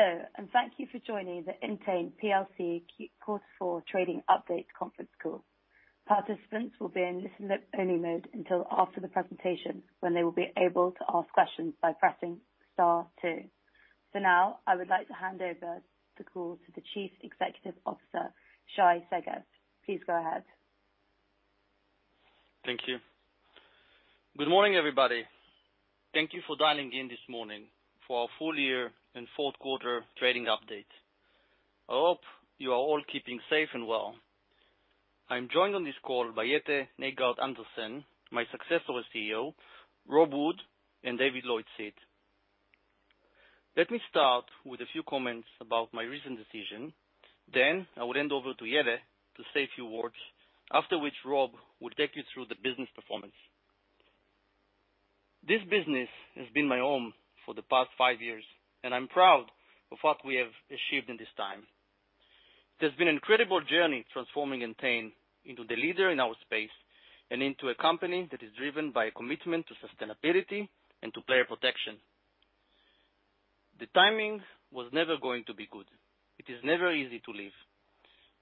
Hello, and thank you for joining the Entain plc Quarter Four Trading Update Conference Call. Participants will be in listen-only mode until after the presentation, when they will be able to ask questions by pressing star two. For now, I would like to hand over the call to the Chief Executive Officer, Shay Segev. Please go ahead. Thank you. Good morning, everybody. Thank you for dialing in this morning for our full-year and fourth-quarter trading update. I hope you are all keeping safe and well. I'm joined on this call by Jette Nygaard-Andersen, my successor as CEO, Rob Wood, and David Lloyd-Seed. Let me start with a few comments about my recent decision. Then, I will hand over to Jette to say a few words, after which Rob will take you through the business performance. This business has been my home for the past five years, and I'm proud of what we have achieved in this time. It has been an incredible journey transforming Entain into the leader in our space and into a company that is driven by a commitment to sustainability and to player protection. The timing was never going to be good. It is never easy to leave,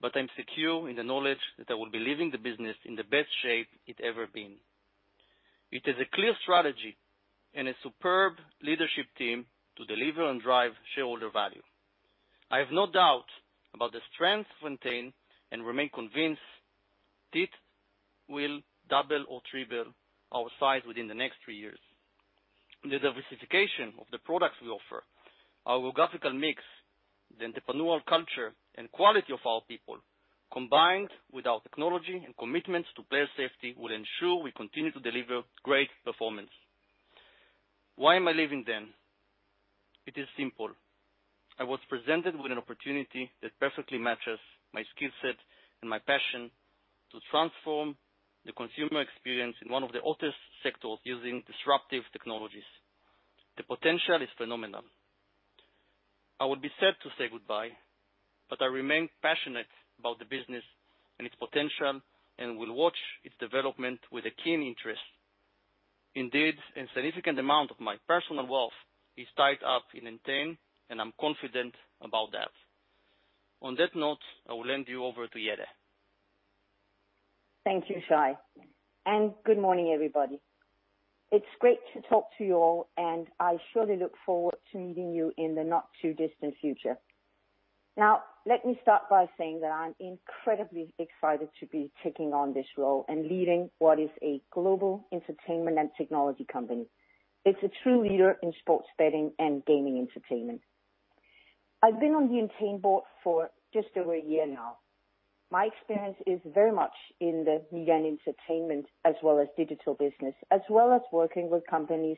but I'm secure in the knowledge that I will be leaving the business in the best shape it's ever been. It has a clear strategy and a superb leadership team to deliver and drive shareholder value. I have no doubt about the strength of Entain, and I remain convinced it will double or triple our size within the next three years. The diversification of the products we offer, our geographical mix, the entrepreneurial culture, and quality of our people, combined with our technology and commitment to player safety, will ensure we continue to deliver great performance. Why am I leaving then? It is simple. I was presented with an opportunity that perfectly matches my skill set and my passion to transform the consumer experience in one of the oldest sectors using disruptive technologies. The potential is phenomenal. I would be sad to say goodbye, but I remain passionate about the business and its potential and will watch its development with a keen interest. Indeed, a significant amount of my personal wealth is tied up in Entain, and I'm confident about that. On that note, I will hand you over to Jette. Thank you, Shay. And good morning, everybody. It's great to talk to you all, and I surely look forward to meeting you in the not-too-distant future. Now, let me start by saying that I'm incredibly excited to be taking on this role and leading what is a global entertainment and technology company. It's a true leader in sports betting and gaming entertainment. I've been on the Entain board for just over a year now. My experience is very much in the media and entertainment, as well as digital business, as well as working with companies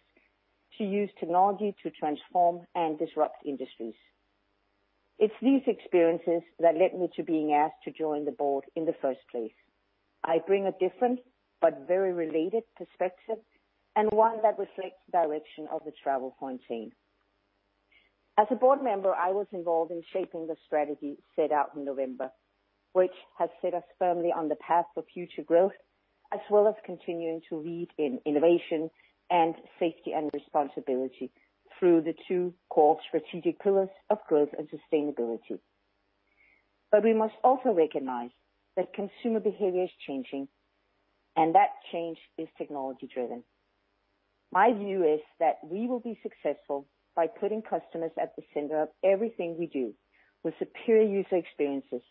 to use technology to transform and disrupt industries. It's these experiences that led me to being asked to join the board in the first place. I bring a different but very related perspective, and one that reflects the direction of the travel for Entain. As a board member, I was involved in shaping the strategy set out in November, which has set us firmly on the path for future growth, as well as continuing to lead in innovation and safety and responsibility through the two core strategic pillars of growth and sustainability. But we must also recognize that consumer behavior is changing, and that change is technology-driven. My view is that we will be successful by putting customers at the center of everything we do, with superior user experiences,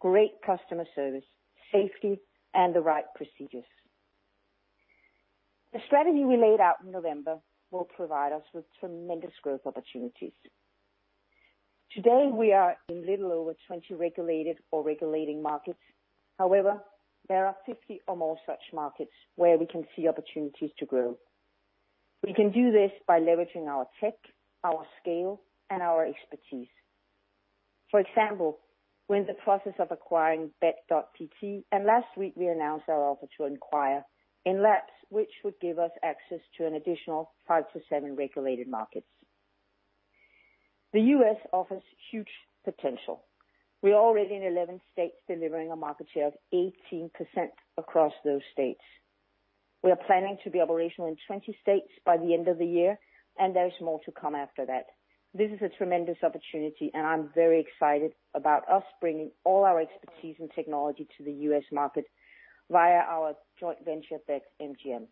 great customer service, safety, and the right procedures. The strategy we laid out in November will provide us with tremendous growth opportunities. Today, we are in little over 20 regulated or regulating markets. However, there are 50 or more such markets where we can see opportunities to grow. We can do this by leveraging our tech, our scale, and our expertise. For example, we're in the process of acquiring Bet.pt, and last week, we announced our offer to Enlabs, which would give us access to an additional five to seven regulated markets. The U.S. offers huge potential. We're already in 11 states delivering a market share of 18% across those states. We are planning to be operational in 20 states by the end of the year, and there is more to come after that. This is a tremendous opportunity, and I'm very excited about us bringing all our expertise and technology to the U.S. market via our joint venture, BetMGM.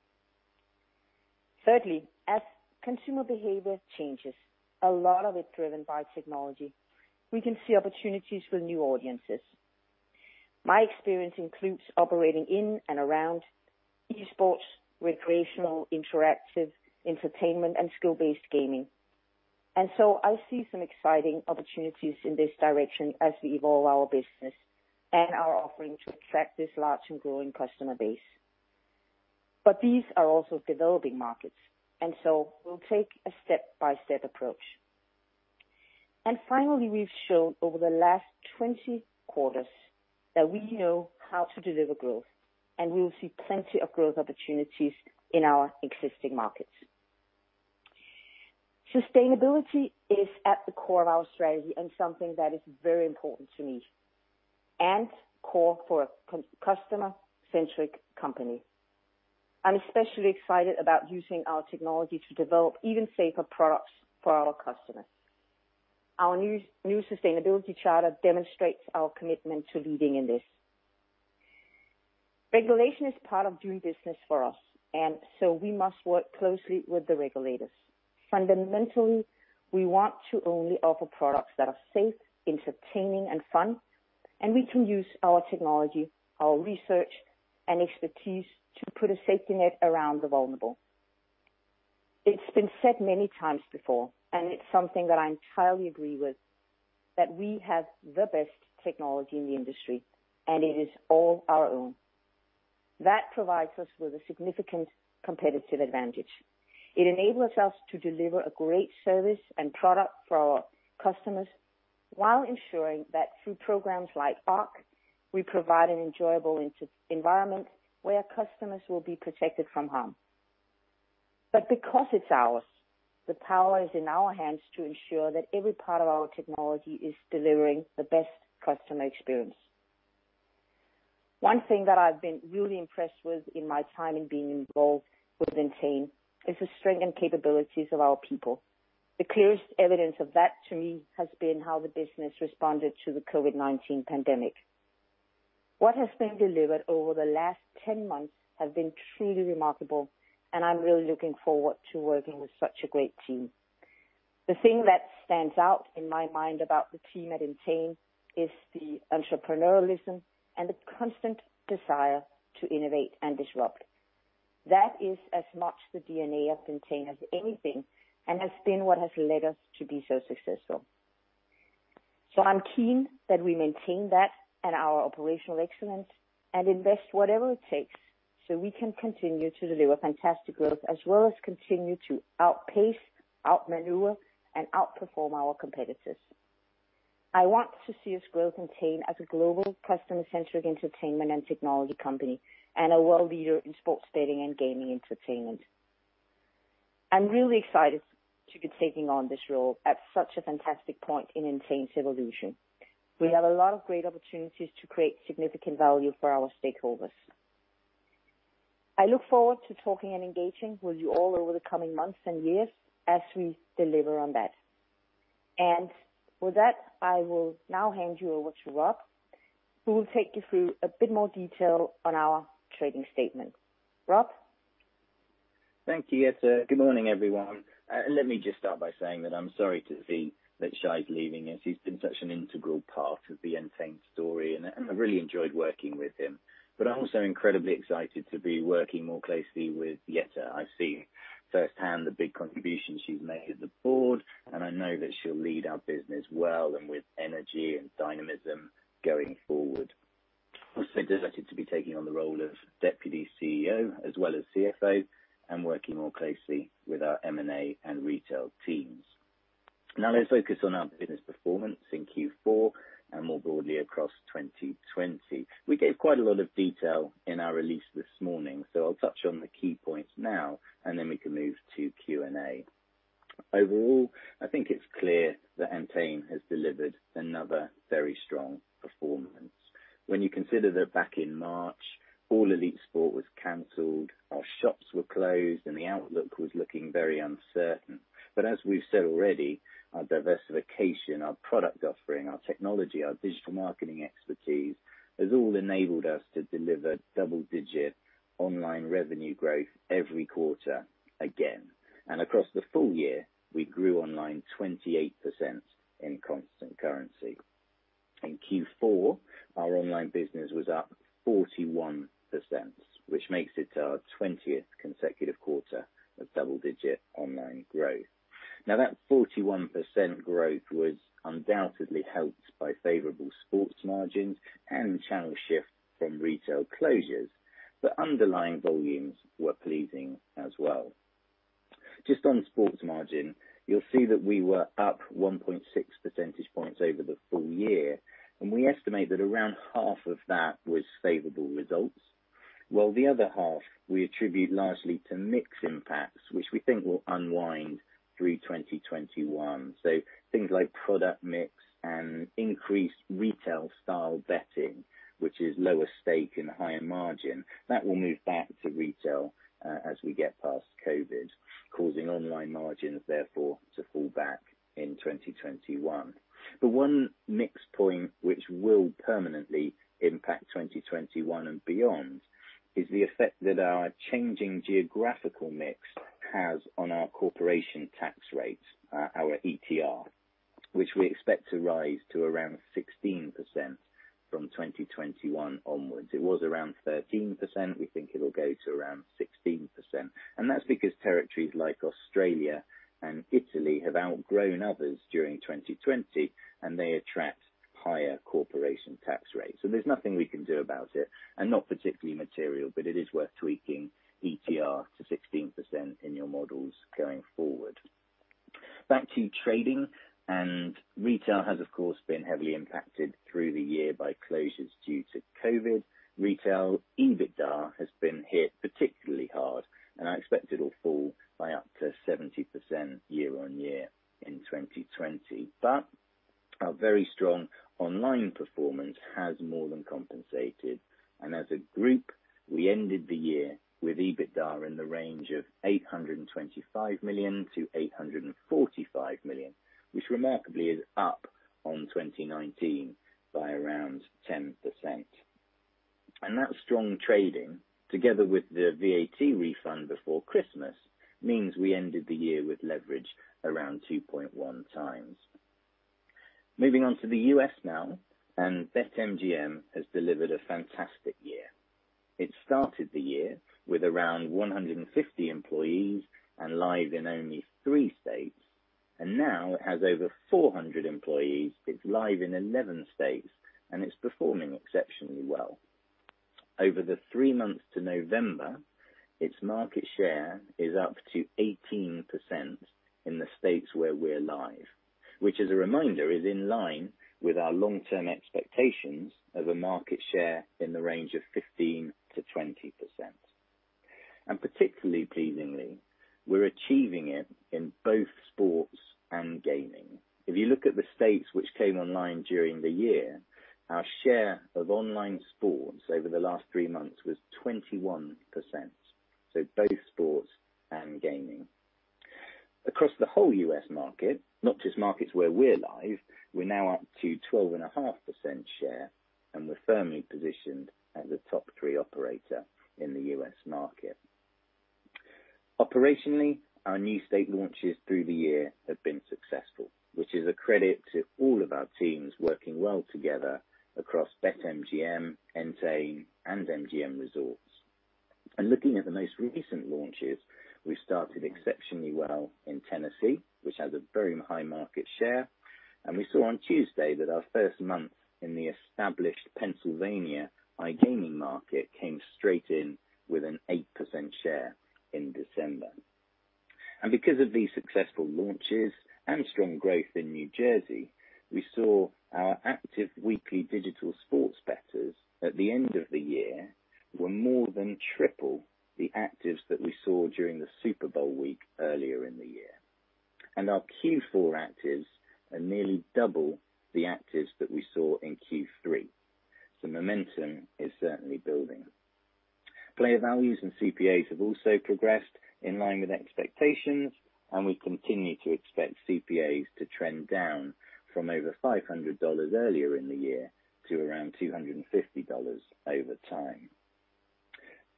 Thirdly, as consumer behavior changes, a lot of it driven by technology, we can see opportunities for new audiences. My experience includes operating in and around esports, recreational, interactive entertainment, and skill-based gaming. I see some exciting opportunities in this direction as we evolve our business and our offering to attract this large and growing customer base. These are also developing markets, and we'll take a step-by-step approach. Finally, we've shown over the last 20 quarters that we know how to deliver growth, and we will see plenty of growth opportunities in our existing markets. Sustainability is at the core of our strategy and something that is very important to me and core for a customer-centric company. I'm especially excited about using our technology to develop even safer products for our customers. Our new sustainability charter demonstrates our commitment to leading in this. Regulation is part of doing business for us, and so we must work closely with the regulators. Fundamentally, we want to only offer products that are safe, entertaining, and fun, and we can use our technology, our research, and expertise to put a safety net around the vulnerable. It's been said many times before, and it's something that I entirely agree with, that we have the best technology in the industry, and it is all our own. That provides us with a significant competitive advantage. It enables us to deliver a great service and product for our customers while ensuring that through programs like ARC, we provide an enjoyable environment where customers will be protected from harm. But because it's ours, the power is in our hands to ensure that every part of our technology is delivering the best customer experience. One thing that I've been really impressed with in my time in being involved with Entain is the strength and capabilities of our people. The clearest evidence of that, to me, has been how the business responded to the COVID-19 pandemic. What has been delivered over the last 10 months has been truly remarkable, and I'm really looking forward to working with such a great team. The thing that stands out in my mind about the team at Entain is the entrepreneurialism and the constant desire to innovate and disrupt. That is as much the DNA of Entain as anything, and has been what has led us to be so successful. So I'm keen that we maintain that and our operational excellence and invest whatever it takes so we can continue to deliver fantastic growth, as well as continue to outpace, outmaneuver, and outperform our competitors. I want to see us grow Entain as a global customer-centric entertainment and technology company and a world leader in sports betting and gaming entertainment. I'm really excited to be taking on this role at such a fantastic point in Entain's evolution. We have a lot of great opportunities to create significant value for our stakeholders. I look forward to talking and engaging with you all over the coming months and years as we deliver on that. With that, I will now hand you over to Rob, who will take you through a bit more detail on our trading statement. Rob? Thank you, Jette. Good morning, everyone. Let me just start by saying that I'm sorry to see that Shay's leaving us. He's been such an integral part of the Entain story, and I've really enjoyed working with him. But I'm also incredibly excited to be working more closely with Jette. I've seen firsthand the big contributions she's made at the board, and I know that she'll lead our business well and with energy and dynamism going forward. I'm also delighted to be taking on the role of Deputy CEO, as well as CFO, and working more closely with our M&A and retail teams. Now, let's focus on our business performance in Q4 and more broadly across 2020. We gave quite a lot of detail in our release this morning, so I'll touch on the key points now, and then we can move to Q&A. Overall, I think it's clear that Entain has delivered another very strong performance. When you consider that back in March, all elite sport was canceled, our shops were closed, and the outlook was looking very uncertain. But as we've said already, our diversification, our product offering, our technology, our digital marketing expertise has all enabled us to deliver double-digit online revenue growth every quarter again. And across the full year, we grew online 28% in constant currency. In Q4, our online business was up 41%, which makes it our 20th consecutive quarter of double-digit online growth. Now, that 41% growth was undoubtedly helped by favorable sports margins and channel shift from retail closures, but underlying volumes were pleasing as well. Just on sports margin, you'll see that we were up 1.6 percentage points over the full year, and we estimate that around half of that was favorable results. While the other half, we attribute largely to mix impacts, which we think will unwind through 2021. So things like product mix and increased retail-style betting, which is lower stake and higher margin, that will move back to retail as we get past COVID, causing online margins, therefore, to fall back in 2021. But one mix point which will permanently impact 2021 and beyond is the effect that our changing geographical mix has on our corporation tax rate, our ETR, which we expect to rise to around 16% from 2021 onwards. It was around 13%. We think it'll go to around 16%. And that's because territories like Australia and Italy have outgrown others during 2020, and they attract higher corporation tax rates. And there's nothing we can do about it, and not particularly material, but it is worth tweaking ETR to 16% in your models going forward. Back to trading. Retail has, of course, been heavily impacted through the year by closures due to COVID. Retail EBITDA has been hit particularly hard, and I expect it'll fall by up to 70% year on year in 2020. But our very strong online performance has more than compensated. As a group, we ended the year with EBITDA in the range of 825 million-845 million, which remarkably is up on 2019 by around 10%. That strong trading, together with the VAT refund before Christmas, means we ended the year with leverage around 2.1 times. Moving on to the U.S. now, and BetMGM has delivered a fantastic year. It started the year with around 150 employees and live in only three states. Now it has over 400 employees. It's live in 11 states, and it's performing exceptionally well. Over the three months to November, its market share is up to 18% in the states where we're live, which, as a reminder, is in line with our long-term expectations of a market share in the range of 15%-20%, and particularly pleasingly, we're achieving it in both sports and gaming. If you look at the states which came online during the year, our share of online sports over the last three months was 21%, so both sports and gaming. Across the whole U.S. market, not just markets where we're live, we're now up to 12.5% share, and we're firmly positioned as a top three operator in the U.S. market. Operationally, our new state launches through the year have been successful, which is a credit to all of our teams working well together across BetMGM, Entain, and MGM Resorts. And looking at the most recent launches, we've started exceptionally well in Tennessee, which has a very high market share. And we saw on Tuesday that our first month in the established Pennsylvania iGaming market came straight in with an 8% share in December. And because of these successful launches and strong growth in New Jersey, we saw our active weekly digital sports bettors at the end of the year were more than triple the actives that we saw during the Super Bowl week earlier in the year. And our Q4 actives are nearly double the actives that we saw in Q3. So momentum is certainly building. Player values and CPAs have also progressed in line with expectations, and we continue to expect CPAs to trend down from over $500 earlier in the year to around $250 over time.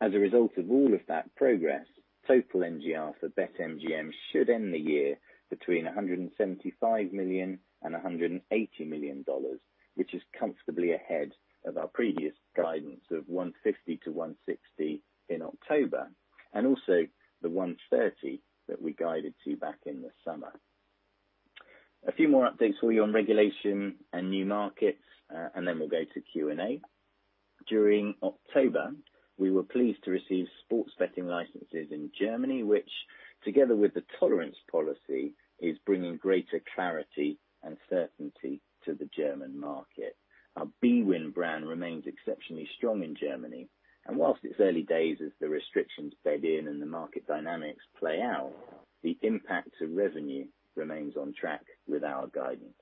As a result of all of that progress, total NGR for BetMGM should end the year between $175 million and $180 million, which is comfortably ahead of our previous guidance of $150-$160 million in October and also the $130 million that we guided to back in the summer. A few more updates for you on regulation and new markets, and then we'll go to Q&A. During October, we were pleased to receive sports betting licenses in Germany, which, together with the tolerance policy, is bringing greater clarity and certainty to the German market. Our bwin brand remains exceptionally strong in Germany. Whilst it's early days as the restrictions bed in and the market dynamics play out, the impact to revenue remains on track with our guidance.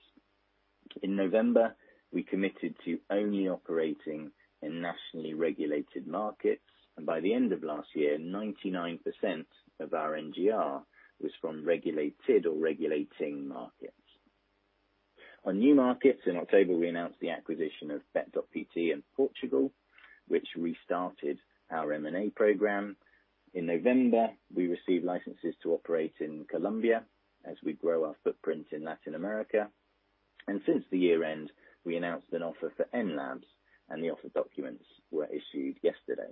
In November, we committed to only operating in nationally regulated markets, and by the end of last year, 99% of our NGR was from regulated or regulating markets. On new markets, in October, we announced the acquisition of Bet.pt in Portugal, which restarted our M&A program. In November, we received licenses to operate in Colombia as we grow our footprint in Latin America. And since the year-end, we announced an offer for Enlabs, and the offer documents were issued yesterday.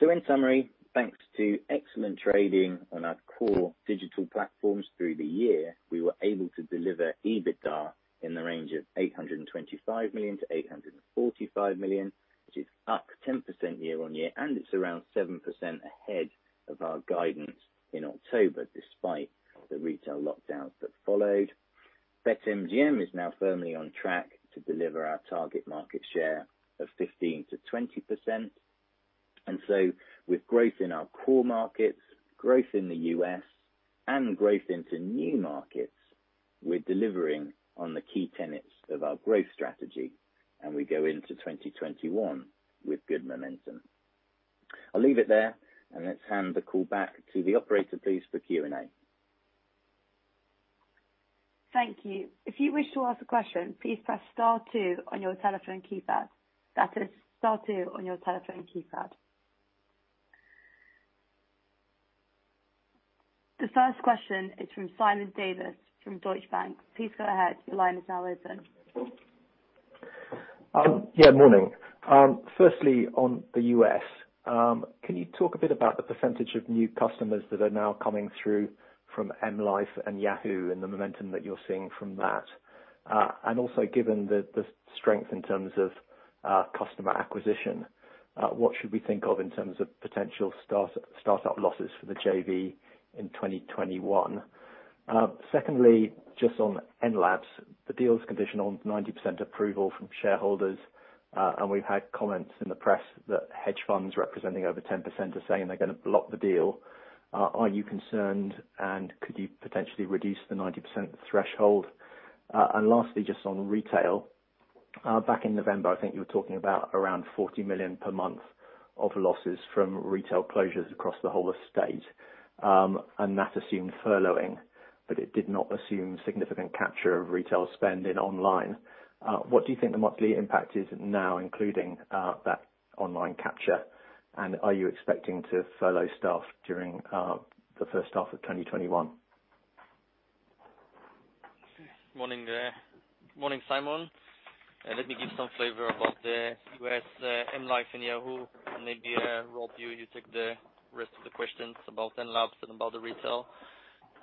So in summary, thanks to excellent trading on our core digital platforms through the year, we were able to deliver EBITDA in the range of 825 million-845 million, which is up 10% year on year, and it's around 7% ahead of our guidance in October despite the retail lockdowns that followed. BetMGM is now firmly on track to deliver our target market share of 15%-20%. And so with growth in our core markets, growth in the U.S., and growth into new markets, we're delivering on the key tenets of our growth strategy, and we go into 2021 with good momentum. I'll leave it there, and let's hand the call back to the operator, please, for Q&A. Thank you. If you wish to ask a question, please press star two on your telephone keypad. That is star two on your telephone keypad. The first question is from Simon Davies from Deutsche Bank. Please go ahead. Your line is now open. Yeah, morning. Firstly, on the U.S., can you talk a bit about the percentage of new customers that are M life Rewards and yahoo and the momentum that you're seeing from that? And also, given the strength in terms of customer acquisition, what should we think of in terms of potential startup losses for the JV in 2021? Secondly, just on Enlabs, the deal's condition on 90% approval from shareholders, and we've had comments in the press that hedge funds representing over 10% are saying they're going to block the deal. Are you concerned, and could you potentially reduce the 90% threshold? And lastly, just on retail, back in November, I think you were talking about around 40 million per month of losses from retail closures across the whole estate, and that assumed furloughing, but it did not assume significant capture of retail spend in online. What do you think the monthly impact is now, including that online capture? And are you expecting to furlough staff during the first half of 2021? Morning, Simon. Let me give some u.s M life Rewards and yahoo. Maybe Rob, you take the rest of the questions about Enlabs and about the retail.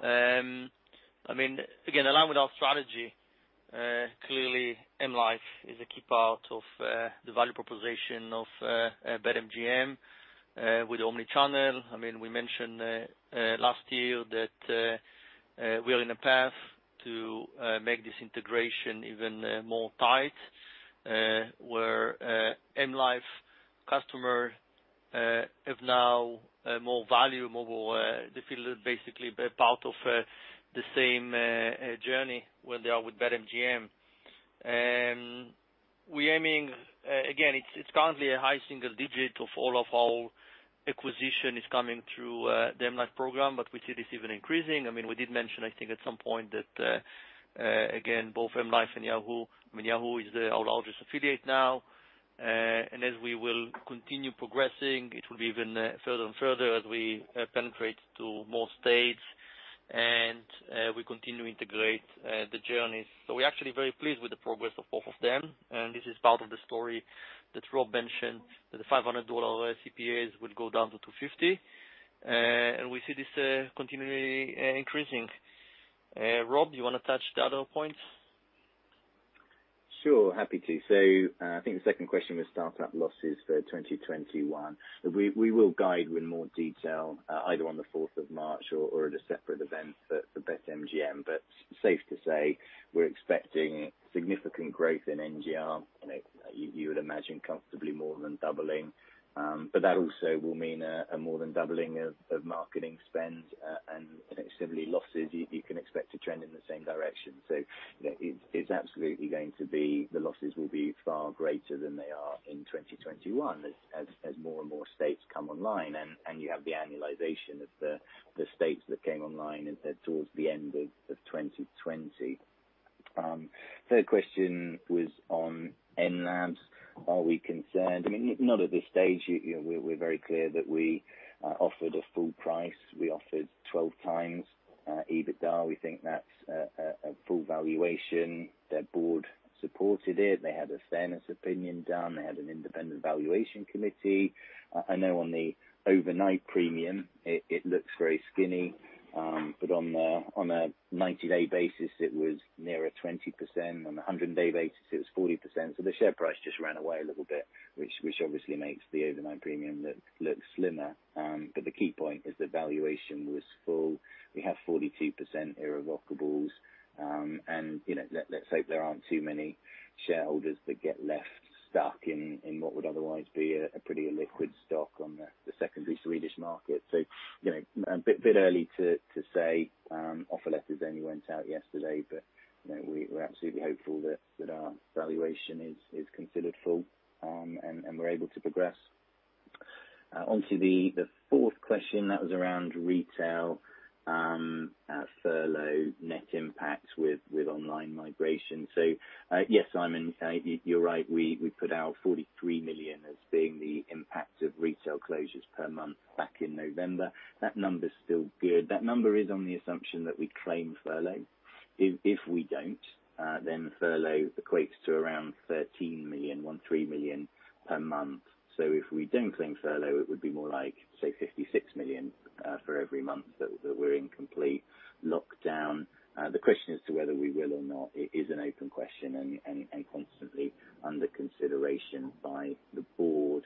I mean, again, along M life Rewards is a key part of the value proposition of BetMGM with omnichannel. I mean, we mentioned last year that we are in a path to make this integration M life Rewards customers have now more value, more they feel basically part of the same journey when they are with BetMGM. We're aiming, again, it's currently a high single digit of all of our acquisition M life Rewards program, but we see this even increasing. I mean, we did mention, I think, at some M life Rewards and yahoo I mean, Yahoo is our largest affiliate now. And as we will continue progressing, it will be even further and further as we penetrate to more states and we continue to integrate the journey. So we're actually very pleased with the progress of both of them. And this is part of the story that Rob mentioned, that the $500 CPAs would go down to $250. And we see this continually increasing. Rob, do you want to touch the other points? Sure, happy to. So I think the second question was startup losses for 2021. We will guide with more detail either on the 4th of March or at a separate event for BetMGM, but safe to say we're expecting significant growth in NGR. You would imagine comfortably more than doubling. But that also will mean a more than doubling of marketing spend and simply losses. You can expect to trend in the same direction. So it's absolutely going to be the losses will be far greater than they are in 2021 as more and more states come online. And you have the annualization of the states that came online towards the end of 2020. Third question was on Enlabs. Are we concerned? I mean, not at this stage. We're very clear that we offered a full price. We offered 12 times EBITDA. We think that's a full valuation. Their board supported it. They had a fairness opinion done. They had an independent valuation committee. I know on the overnight premium, it looks very skinny, but on a 90-day basis, it was near a 20%. On a 100-day basis, it was 40%. So the share price just ran away a little bit, which obviously makes the overnight premium look slimmer. But the key point is the valuation was full. We have 42% irrevocables. And let's hope there aren't too many shareholders that get left stuck in what would otherwise be a pretty liquid stock on the secondary Swedish market. So a bit early to say. Offer letters only went out yesterday, but we're absolutely hopeful that our valuation is considered full and we're able to progress. Onto the fourth question, that was around retail furlough net impact with online migration. So yes, Simon, you're right. We put out 43 million as being the impact of retail closures per month back in November. That number is still good. That number is on the assumption that we claim furlough. If we don't, then furlough equates to around 13 million, 13 million per month. So if we don't claim furlough, it would be more like, say, 56 million for every month that we're in complete lockdown. The question as to whether we will or not is an open question and constantly under consideration by the board.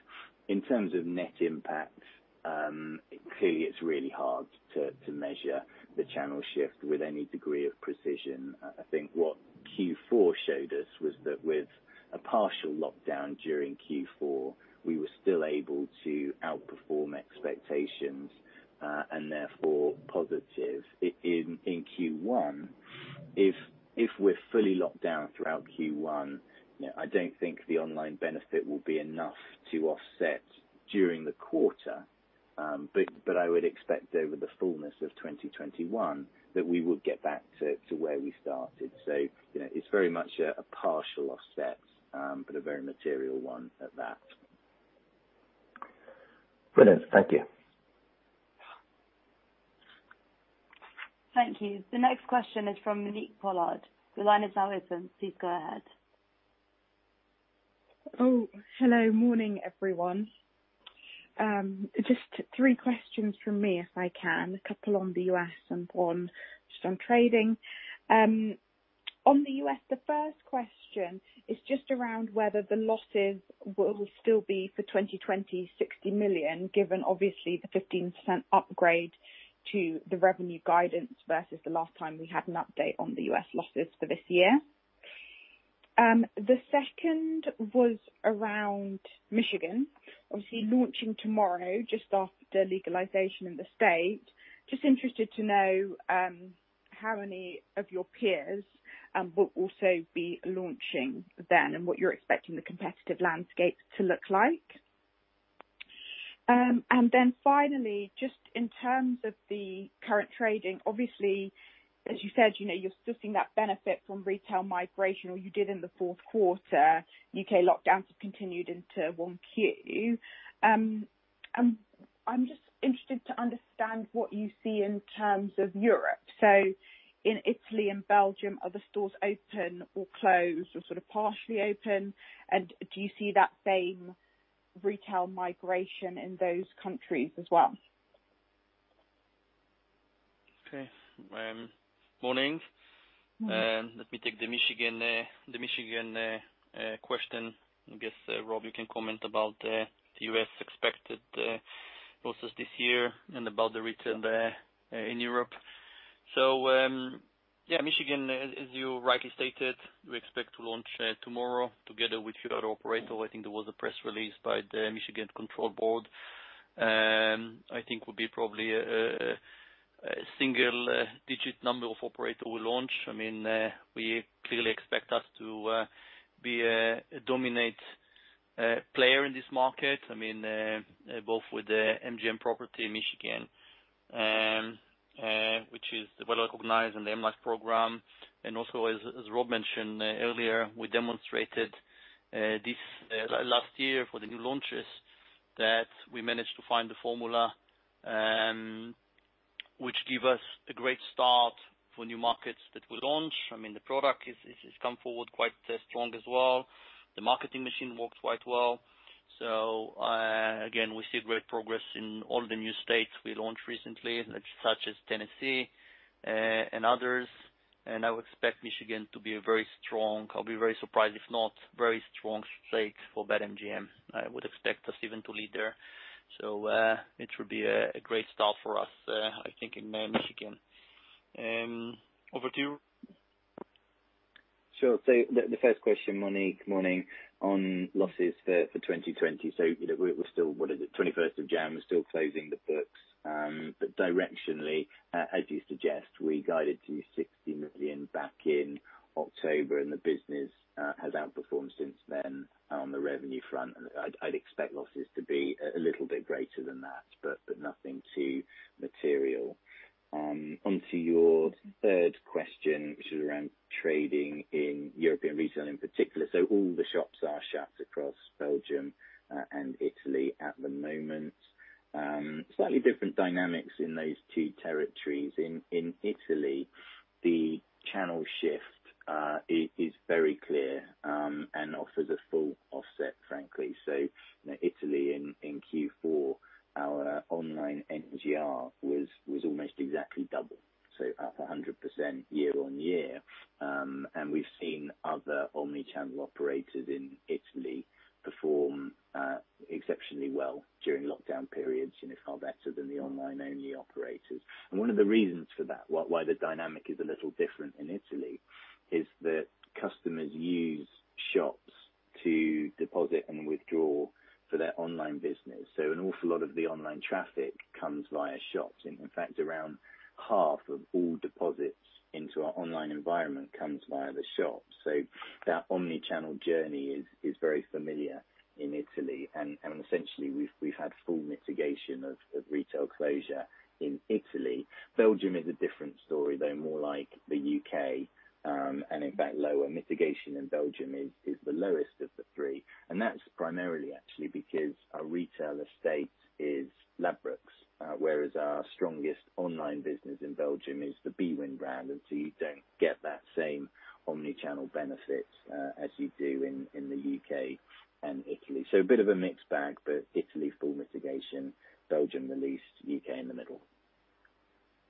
In terms of net impact, clearly, it's really hard to measure the channel shift with any degree of precision. I think what Q4 showed us was that with a partial lockdown during Q4, we were still able to outperform expectations and therefore positive. In Q1, if we're fully locked down throughout Q1, I don't think the online benefit will be enough to offset during the quarter, but I would expect over the fullness of 2021 that we would get back to where we started. So it's very much a partial offset, but a very material one at that. Brilliant. Thank you. Thank you. The next question is from Monique Pollard. The line is now open. Please go ahead. Oh, hello. Morning, everyone. Just three questions from me, if I can. A couple on the U.S. and one just on trading. On the U.S., the first question is just around whether the losses will still be for 2020 $60 million, given obviously the 15% upgrade to the revenue guidance versus the last time we had an update on the U.S. losses for this year. The second was around Michigan, obviously launching tomorrow just after legalization in the state. Just interested to know how many of your peers will also be launching then and what you're expecting the competitive landscape to loo.k. like. And then finally, just in terms of the current trading, obviously, as you said, you're still seeing that benefit from retail migration, or you did in the fourth quarter U.K. lockdowns have continued into Q1. I'm just interested to understand what you see in terms of Europe. So in Italy and Belgium, are the stores open or closed or sort of partially open? And do you see that same retail migration in those countries as well? Okay. Morning. Let me take the Michigan question. I guess, Rob, you can comment about the U.S. expected losses this year and about the retail in Europe. So yeah, Michigan, as you rightly stated, we expect to launch tomorrow together with your operator. I think there was a press release by the Michigan Gaming Control Board. I think it would be probably a single-digit number of operator we launch. I mean, we clearly expect us to be a dominant player in this market. I mean, both with the MGM property in Michigan, which is M life Rewards program. and also, as Rob mentioned earlier, we demonstrated this last year for the new launches that we managed to find the formula which gave us a great start for new markets that we launched. I mean, the product has come forward quite strong as well. The marketing machine worked quite well. So again, we see great progress in all the new states we launched recently, such as Tennessee and others. And I would expect Michigan to be a very strong. I'll be very surprised if not very strong state for BetMGM. I would expect us even to lead there. So it would be a great start for us, I think, in Michigan. Over to you. The first question, Monique. Morning, on losses for 2020. We're still. What is it? 21st of January. We're still closing the books. But directionally, as you suggest, we guided to 60 million back in October, and the business has outperformed since then on the revenue front. I'd expect losses to be a little bit greater than that, but nothing too material. Onto your third question, which is around trading in European retail in particular. All the shops are shut across Belgium and Italy at the moment. Slightly different dynamics in those two territories. In Italy, the channel shift is very clear and offers a full offset, frankly. Italy in Q4, our online NGR was almost exactly double, so up 100% year on year. We've seen other omnichannel operators in Italy perform exceptionally well during lockdown periods, far better than the online-only operators. One of the reasons for that, why the dynamic is a little different in Italy, is that customers use shops to deposit and withdraw for their online business. An awful lot of the online traffic comes via shops. In fact, around half of all deposits into our online environment comes via the shops. That omnichannel journey is very familiar in Italy. Essentially, we've had full mitigation of retail closure in Italy. Belgium is a different story, though, more like the U.K.. In fact, lower mitigation in Belgium is the lowest of the three. That's primarily actually because our retail estate is Ladbrokes, whereas our strongest online business in Belgium is the bwin brand. You don't get that same omnichannel benefit as you do in the U.K. and Italy. So a bit of a mixed bag, but Italy, full mitigation, Belgium the least, U.K. in the middle.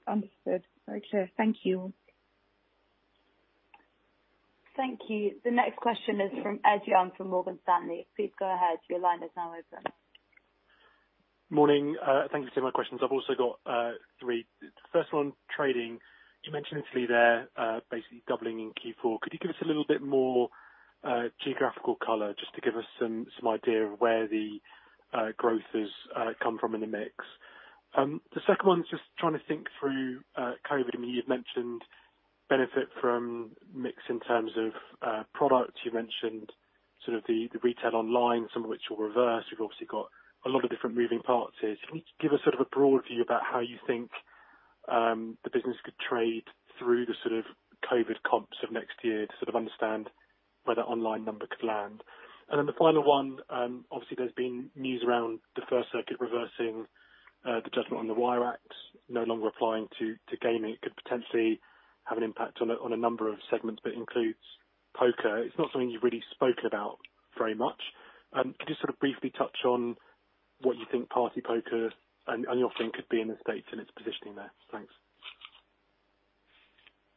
Understood. Very clear. Thank you. Thank you. The next question is from Ed Young from Morgan Stanley. Please go ahead. Your line is now open. Morning. Thank you for taking my questions. I've also got three. The first one, trading. You mentioned Italy there basically doubling in Q4. Could you give us a little bit more geographical color just to give us some idea of where the growth has come from in the mix? The second one is just trying to think through COVID. I mean, you've mentioned benefit from mix in terms of product. You mentioned sort of the retail online, some of which will reverse. We've obviously got a lot of different moving parts here. So can you give us sort of a broad view about how you think the business could trade through the sort of COVID comps of next year to sort of understand where the online number could land? And then the final one, obviously. There's been news around the First Circuit reversing the judgment on the Wire Act, no longer applying to gaming. It could potentially have an impact on a number of segments, but it includes poker. It's not something you've really spoken about very much. Could you sort of briefly touch on what you think partypoker and [your thing] could be in the states and its positioning there? Thanks.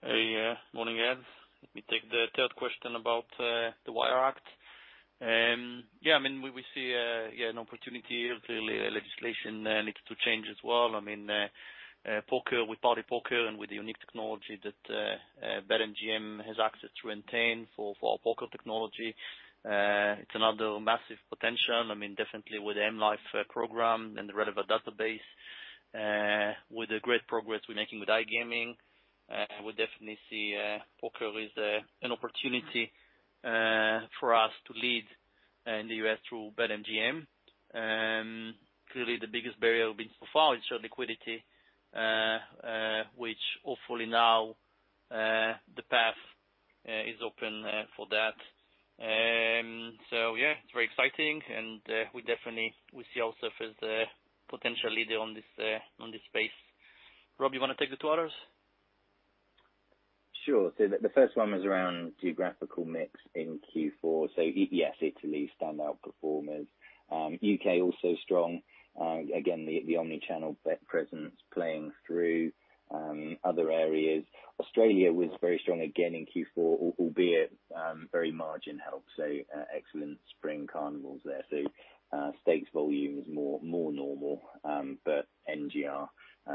Hey, morning, Ed. Let me take the third question about the Wire Act. Yeah, I mean, we see, yeah, an opportunity here. Clearly, the legislation needs to change as well. I mean, poker with partypoker and with the unique technology that BetMGM has access to and Entain for our poker technology, it's another massive potential. I M life Rewards program and the relevant database, with the great progress we're making with iGaming, we definitely see poker is an opportunity for us to lead in the U.S. through BetMGM. Clearly, the biggest barrier we've been so far is shared liquidity, which hopefully now the path is open for that. So yeah, it's very exciting. And we definitely see ourselves as the potential leader in this space. Rob, you want to take the two others? Sure. So the first one was around geographical mix in Q4. So yes, Italy standout performers. U.K. also strong. Again, the omnichannel betting presence playing through other areas. Australia was very strong again in Q4, albeit very margin heavy. So excellent spring carnivals there. So stakes volume is more normal, but NGR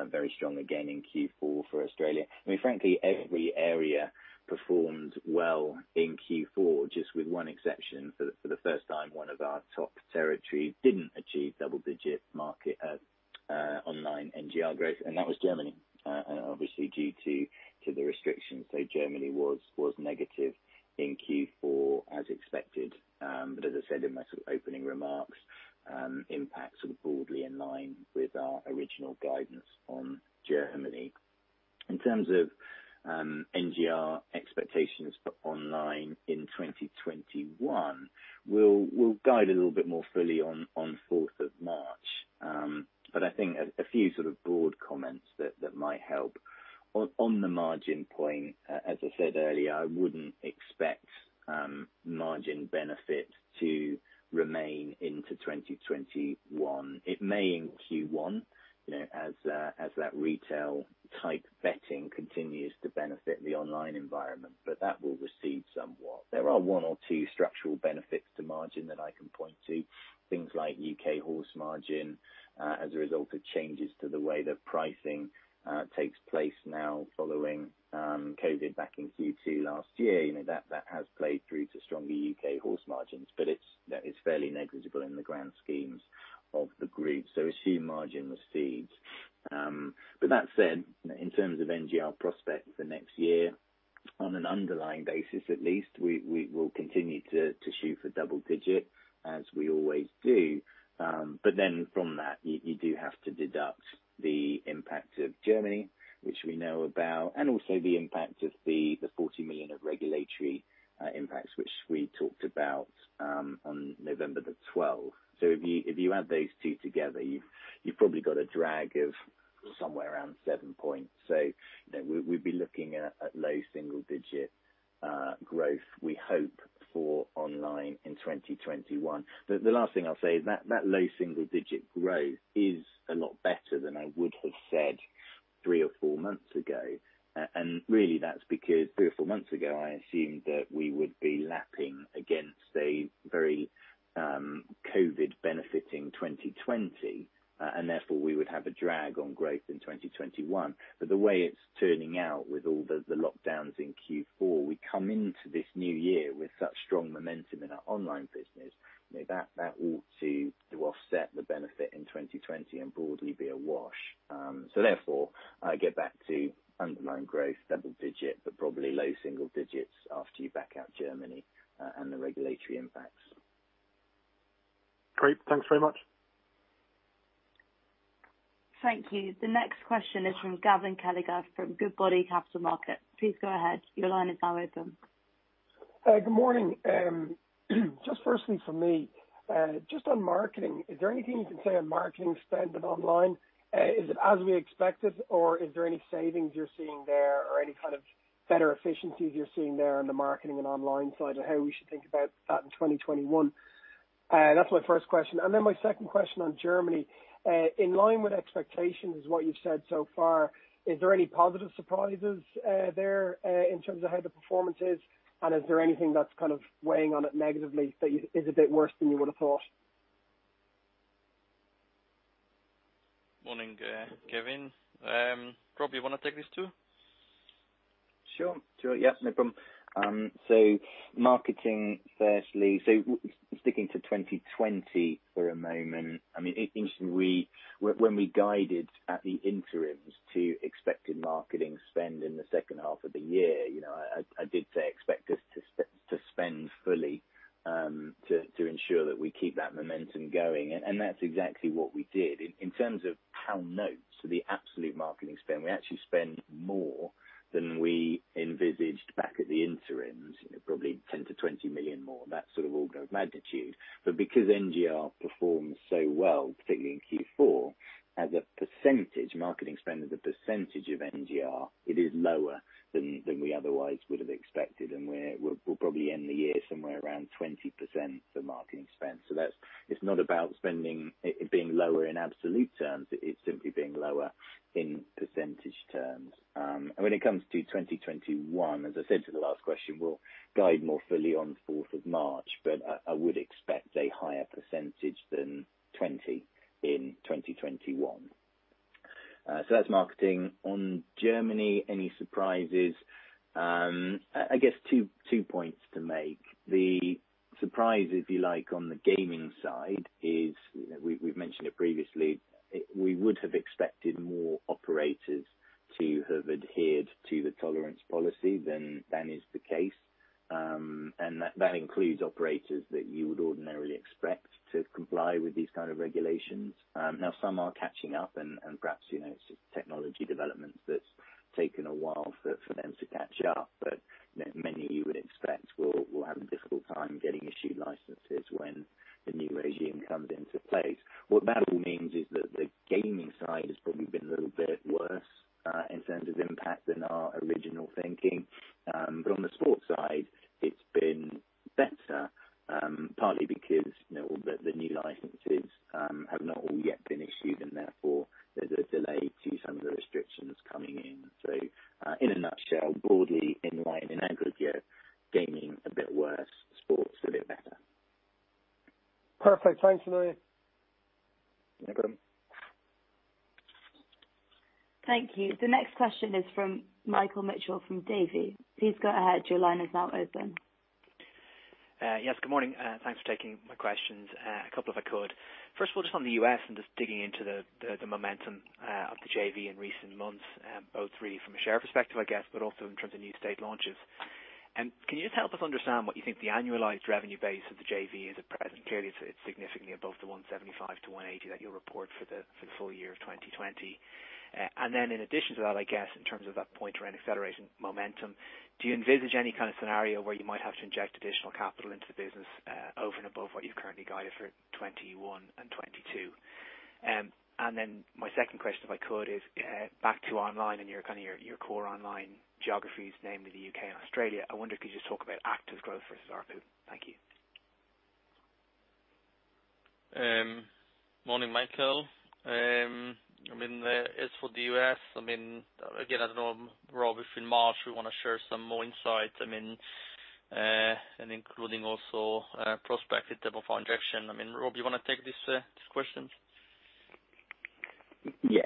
very strong again in Q4 for Australia. I mean, frankly, every area performed well in Q4, just with one exception. For the first time, one of our top territories didn't achieve double-digit market online NGR growth, and that was Germany. And obviously, due to the restrictions, so Germany was negative in Q4 as expected. But as I said in my sort of opening remarks, impact sort of broadly in line with our original guidance on Germany. In terms of NGR expectations for online in 2021, we'll guide a little bit more fully on 4th of March. But I think a few sort of broad comments that might help. On the margin point, as I said earlier, I wouldn't expect margin benefit to remain into 2021. It may in Q1, as that retail type betting continues to benefit the online environment, but that will recede somewhat. There are one or two structural benefits to margin that I can point to. Things like U.K. horse margin as a result of changes to the way that pricing takes place now following COVID back in Q2 last year, that has played through to stronger U.K. horse margins, but it's fairly negligible in the grand schemes of the group. So assume margin recedes. But that said, in terms of NGR prospects for next year, on an underlying basis at least, we will continue to shoot for double-digit as we always do. But then from that, you do have to deduct the impact of Germany, which we know about, and also the impact of the 40 million of regulatory impacts, which we talked about on November the 12th. So if you add those two together, you've probably got a drag of somewhere around seven points. So we'd be looking at low single-digit growth, we hope, for online in 2021. The last thing I'll say is that that low single-digit growth is a lot better than I would have said three or four months ago. And really, that's because three or four months ago, I assumed that we would be lapping against a very COVID-benefiting 2020, and therefore, we would have a drag on growth in 2021. But the way it's turning out with all the lockdowns in Q4, we come into this new year with such strong momentum in our online business, that ought to offset the benefit in 2020 and broadly be a wash. So therefore, I get back to underlying growth, double-digit, but probably low single digits after you back out Germany and the regulatory impacts. Great. Thanks very much. Thank you. The next question is from Gavin Kelleher from Goodbody Capital Markets. Please go ahead. Your line is now open. Good morning. Just firstly, for me, just on marketing, is there anything you can say on marketing spend and online? Is it as we expected, or is there any savings you're seeing there, or any kind of better efficiencies you're seeing there on the marketing and online side of how we should think about that in 2021? That's my first question. And then my second question on Germany, in line with expectations is what you've said so far, is there any positive surprises there in terms of how the performance is? And is there anything that's kind of weighing on it negatively that is a bit worse than you would have thought? Morning, Gavin. Rob, you want to take this too? Sure. Sure. Yeah, no problem. So, marketing firstly. So, sticking to 2020 for a moment, I mean, interestingly, when we guided at the interims to expected marketing spend in the second half of the year, I did say expect us to spend fully to ensure that we keep that momentum going. And that's exactly what we did. In terms of how that relates to the absolute marketing spend, we actually spend more than we envisaged back at the interims, probably 10-20 million more, that sort of order of magnitude. But because NGR performs so well, particularly in Q4, as a percentage, marketing spend as a percentage of NGR, it is lower than we otherwise would have expected. And we'll probably end the year somewhere around 20% for marketing spend. So, it's not about spending being lower in absolute terms. It's simply being lower in percentage terms. And when it comes to 2021, as I said to the last question, we'll guide more fully on 4th of March, but I would expect a higher percentage than 20% in 2021. So that's marketing. On Germany, any surprises? I guess two points to make. The surprise, if you like, on the gaming side is we've mentioned it previously. We would have expected more operators to have adhered to the tolerance policy than is the case. And that includes operators that you would ordinarily expect to comply with these kind of regulations. Now, some are catching up, and perhaps it's technology development that's taken a while for them to catch up. But many you would expect will have a difficult time getting issued licenses when the new regime comes into place. What that all means is that the gaming side has probably been a little bit worse in terms of impact than our original thinking. But on the sports side, it's been better, partly because the new licenses have not all yet been issued, and therefore, there's a delay to some of the restrictions coming in. So in a nutshell, broadly in line in aggregate, gaming a bit worse, sports a bit better. Perfect. Thanks, [everyone]. No problem. Thank you. The next question is from Michael Mitchell from Davy. Please go ahead. Your line is now open. Yes, good morning. Thanks for taking my questions. A couple if I could. First of all, just on the U.S. and just digging into the momentum of the JV in recent months, both really from a share perspective, I guess, but also in terms of new state launches. And can you just help us understand what you think the annualized revenue base of the JV is at present? Clearly, it's significantly above the $175-$180 that you'll report for the full year of 2020. And then in addition to that, I guess, in terms of that point around acceleration momentum, do you envisage any kind of scenario where you might have to inject additional capital into the business over and above what you've currently guided for 2021 and 2022? And then my second question, if I could, is back to online and your kind of core online geographies, namely the U.K. and Australia. I wonder if you could just talk about Actives growth versus RPU. Thank you. Morning, Michael. I mean, as for the U.S., I mean, again, I don't know, Rob, if in March we want to share some more insights, I mean, and including also projected type of our injection. I mean, Rob, you want to take these questions? Yeah.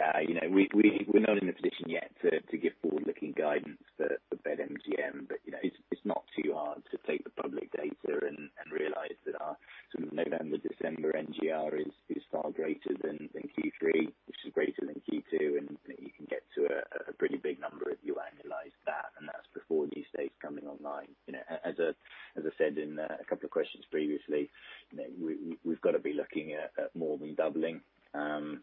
We're not in the position yet to give forward-looking guidance for BetMGM, but it's not too hard to take the public data and realize that our sort of November, December NGR is far greater than Q3, which is greater than Q2, and you can get to a pretty big number if you annualize that. And that's before new states coming online. As I said in a couple of questions previously, we've got to be looking at more than doubling,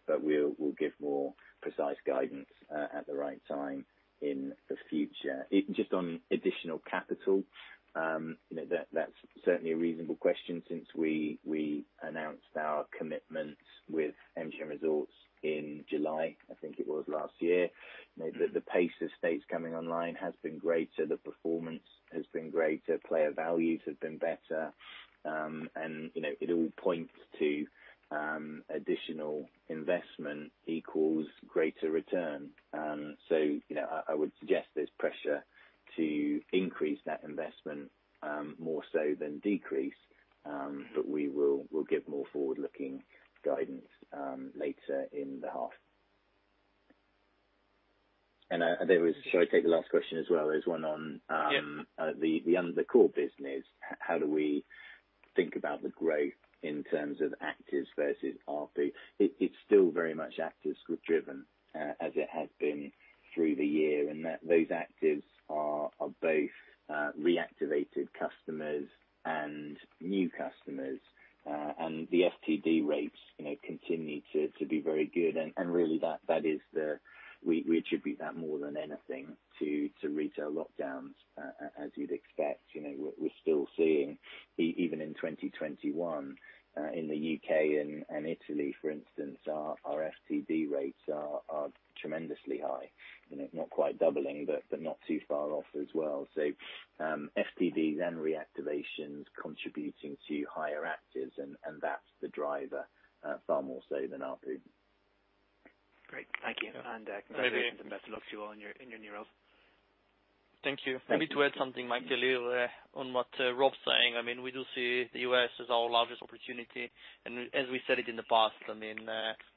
but we'll give more precise guidance at the right time in the future. Just on additional capital, that's certainly a reasonable question since we announced our commitment with MGM Resorts in July, I think it was, last year. The pace of states coming online has been greater. The performance has been greater. Player values have been better. And it all points to additional investment equals greater return. So I would suggest there's pressure to increase that investment more so than decrease, but we will give more forward-looking guidance later in the half. And should I take the last question as well? There's one on the core business. How do we think about the growth in terms of Active versus RPU? It's still very much Actives driven as it has been through the year. And those Actives are both reactivated customers and new customers. And the FTD rates continue to be very good. And really, that is what we attribute that more than anything to retail lockdowns, as you'd expect. We're still seeing, even in 2021, in the U.K. and Italy, for instance, our FTD rates are tremendously high, not quite doubling, but not too far off as well. So FTDs and reactivations contributing to higher Actives, and that's the driver far more so than RPU. Great. Thank you. And congratulations and best of luck to you all in your new roles. Thank you. I need to add something, Michael, on what Rob's saying. I mean, we do see the U.S. as our largest opportunity, and as we said it in the past, I mean,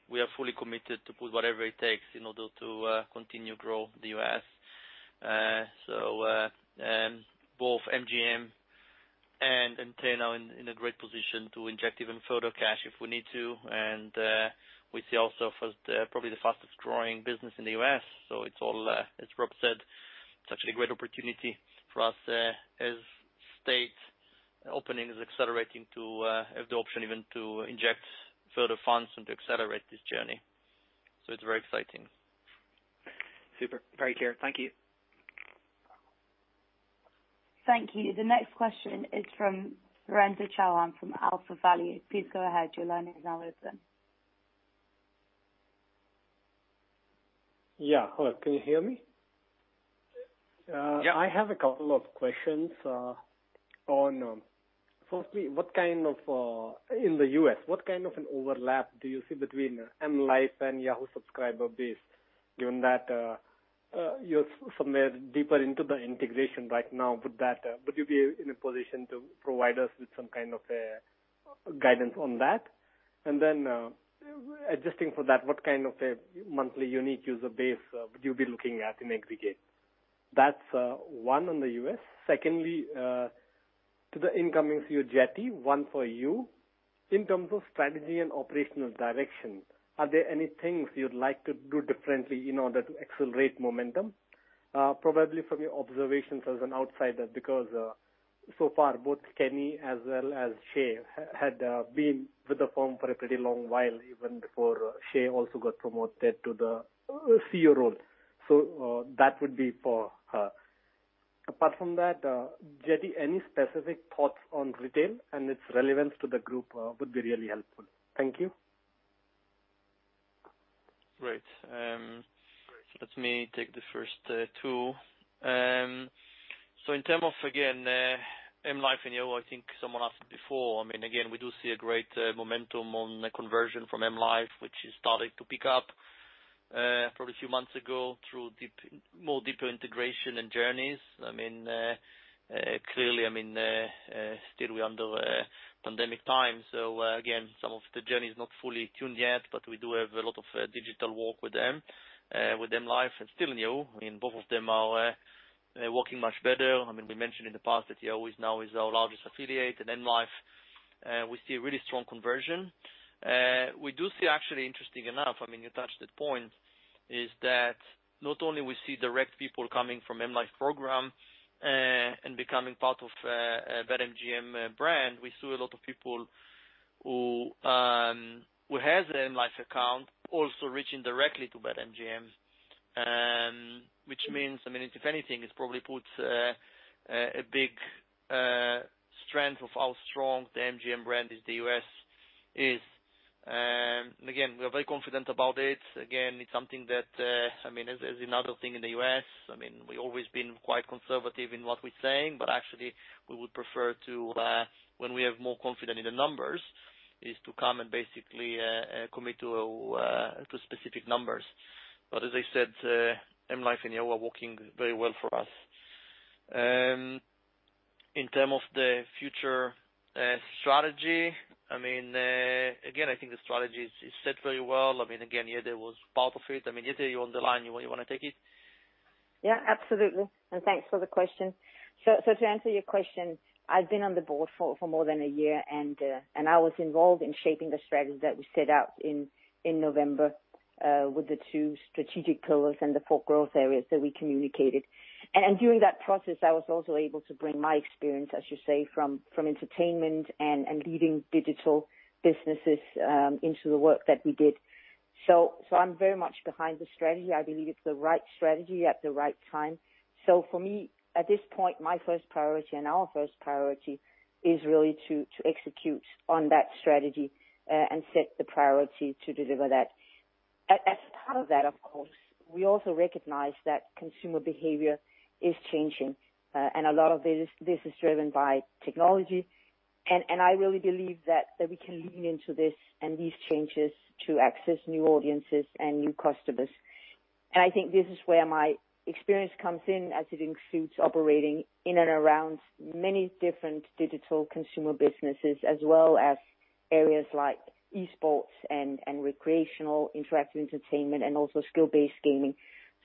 we are fully committed to put whatever it takes in order to continue to grow the U.S.. So both MGM and Entain are in a great position to inject even further cash if we need to. And we see ourselves as probably the fastest growing business in the U.S.. So it's all, as Rob said, it's actually a great opportunity for us as state openings, accelerating to have the option even to inject further funds and to accelerate this journey. So it's very exciting. Super. Very clear. Thank you. Thank you. The next question is from Virendra Chauhan from AlphaValue. Please go ahead. Your line is now open. Yeah. Hello. Can you hear me? I have a couple of questions on, firstly, what kind of in the US, what kind of an overlap do you see between M life and Yahoo subscriber base, given that you're somewhere deeper into the integration right now? Would you be in a position to provide us with some kind of guidance on that? And then adjusting for that, what kind of a monthly unique user base would you be looking at in aggregate? That's one on the US. Secondly, to the incoming CEO, Jette, one for you. In terms of strategy and operational direction, are there any things you'd like to do differently in order to accelerate momentum? Probably from your observations as an outsider, because so far, both Kenny as well as Shay had been with the firm for a pretty long while, even before Shay also got promoted to the CEO role. So that would be for her. Apart from that, Jette, any specific thoughts on retail and its relevance to the group would be really helpful. Thank you. Great. So let me take the first two. So in terms of, again, M life and Yahoo, I think someone asked before. I mean, again, we do see a great momentum on conversion from M life, which is starting to pick up probably a few months ago through more deeper integration and journeys. I mean, clearly, I mean, still we're under pandemic time. So again, some of the journey is not fully tuned yet, but we do have a lot of digital work with M life and still new. I mean, both of them are working much better. I mean, we mentioned in the past that Yahoo now is our largest affiliate and M life. We see a really strong conversion. We do see, actually, interesting enough, I mean, you touched the point, is that not only we see direct people coming from M life program and becoming part of BetMGM brand, we see a lot of people who have an M life account also reaching directly to BetMGM, which means, I mean, if anything, it probably puts a big strength of how strong the MGM brand is, the U.S. is. And again, we are very confident about it. Again, it is something that, I mean, as another thing in the US, I mean, we have always been quite conservative in what we are saying, but actually, we would prefer to, when we have more confidence in the numbers, is to come and basically commit to specific numbers. But as I said, M life and Yahoo are working very well for us. In terms of the future strategy, I mean, again, I think the strategy is set very well. I mean, again, Jette was part of it. I mean, Jette, you're on the line. You want to take it? Yeah, absolutely. And thanks for the question. So to answer your question, I've been on the board for more than a year, and I was involved in shaping the strategy that we set out in November with the two strategic pillars and the four growth areas that we communicated. And during that process, I was also able to bring my experience, as you say, from entertainment and leading digital businesses into the work that we did. So I'm very much behind the strategy. I believe it's the right strategy at the right time. So for me, at this point, my first priority and our first priority is really to execute on that strategy and set the priority to deliver that. As part of that, of course, we also recognize that consumer behavior is changing, and a lot of this is driven by technology. I really believe that we can lean into this and these changes to access new audiences and new customers. I think this is where my experience comes in, as it includes operating in and around many different digital consumer businesses, as well as areas like esports and recreational interactive entertainment and also skill-based gaming.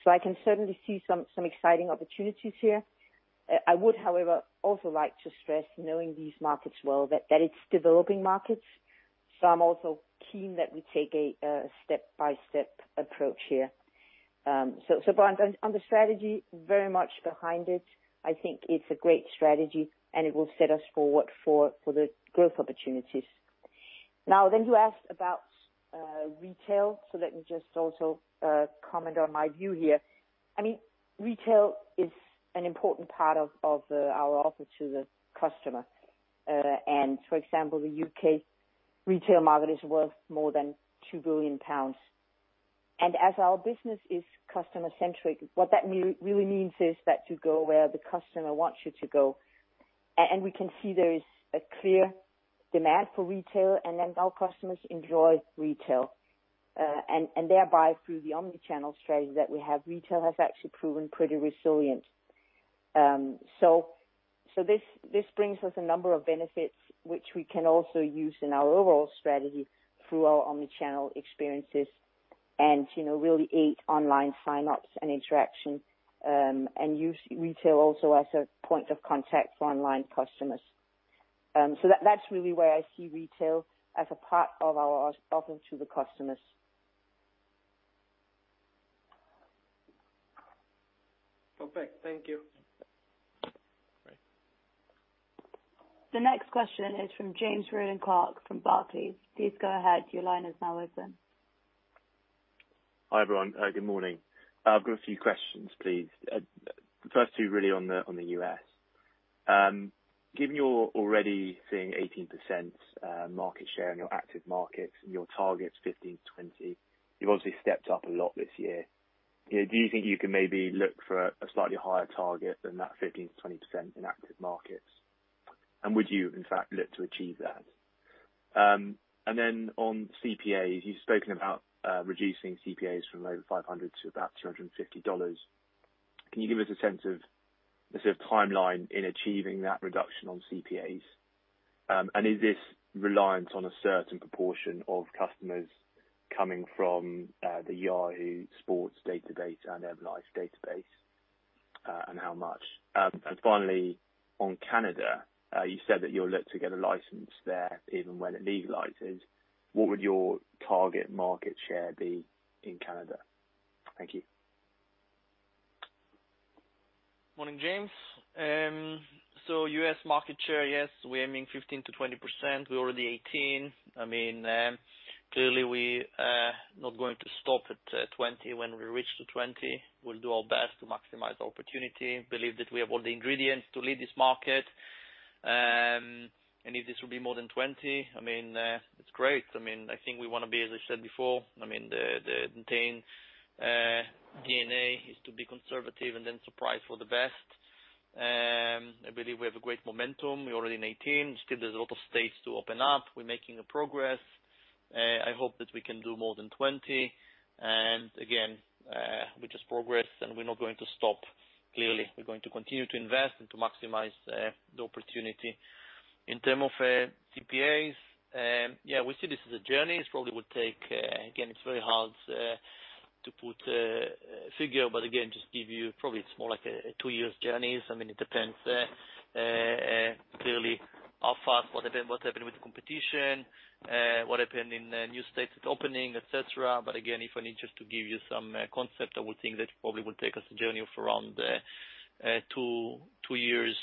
I can certainly see some exciting opportunities here. I would, however, also like to stress, knowing these markets well, that it's developing markets. I'm also keen that we take a step-by-step approach here. On the strategy, very much behind it, I think it's a great strategy, and it will set us forward for the growth opportunities. Now, then you asked about retail, so let me just also comment on my view here. I mean, retail is an important part of our offer to the customer. And for example, the U.K. retail market is worth more than 2 billion pounds. And as our business is customer-centric, what that really means is that you go where the customer wants you to go. And we can see there is a clear demand for retail, and then our customers enjoy retail. And thereby, through the omnichannel strategy that we have, retail has actually proven pretty resilient. So this brings us a number of benefits, which we can also use in our overall strategy through our omnichannel experiences and really aid online sign-ups and interaction and use retail also as a point of contact for online customers. So that's really where I see retail as a part of our offer to the customers. Perfect. Thank you. The next question is from James Rowland Clark from Barclays. Please go ahead. Your line is now open. Hi everyone. Good morning. I've got a few questions, please. First two, really, on the U.S. Given you're already seeing 18% market share in your active markets and your targets 15%-20%, you've obviously stepped up a lot this year. Do you think you can maybe look for a slightly higher target than that 15%-20% in active markets? And would you, in fact, look to achieve that? And then on CPAs, you've spoken about reducing CPAs from over $500 to about $250. Can you give us a sense of the sort of timeline in achieving that reduction on CPAs? And is this reliant on a certain proportion of customers coming from the Yahoo Sports database and M life database and how much? And finally, on Canada, you said that you'll look to get a license there even when it legalizes. What would your target market share be in Canada? Thank you. Morning, James. So U.S. market share, yes, we're aiming 15%-20%. We're already 18%. I mean, clearly, we're not going to stop at 20%. When we reach the 20%, we'll do our best to maximize opportunity. Believe that we have all the ingredients to lead this market. And if this will be more than 20%, I mean, it's great. I mean, I think we want to be, as I said before, I mean, the main DNA is to be conservative and then surprise for the best. I believe we have a great momentum. We're already in 18%. Still, there's a lot of states to open up. We're making progress. I hope that we can do more than 20%. And again, we just progress, and we're not going to stop. Clearly, we're going to continue to invest and to maximize the opportunity. In terms of CPAs, yeah, we see this as a journey. It probably will take again, it's very hard to put a figure, but again, just give you probably it's more like a two-year journey. I mean, it depends clearly how fast, what happened with the competition, what happened in new states with opening, etc. But again, if I need just to give you some concept, I would think that it probably will take us a journey of around two years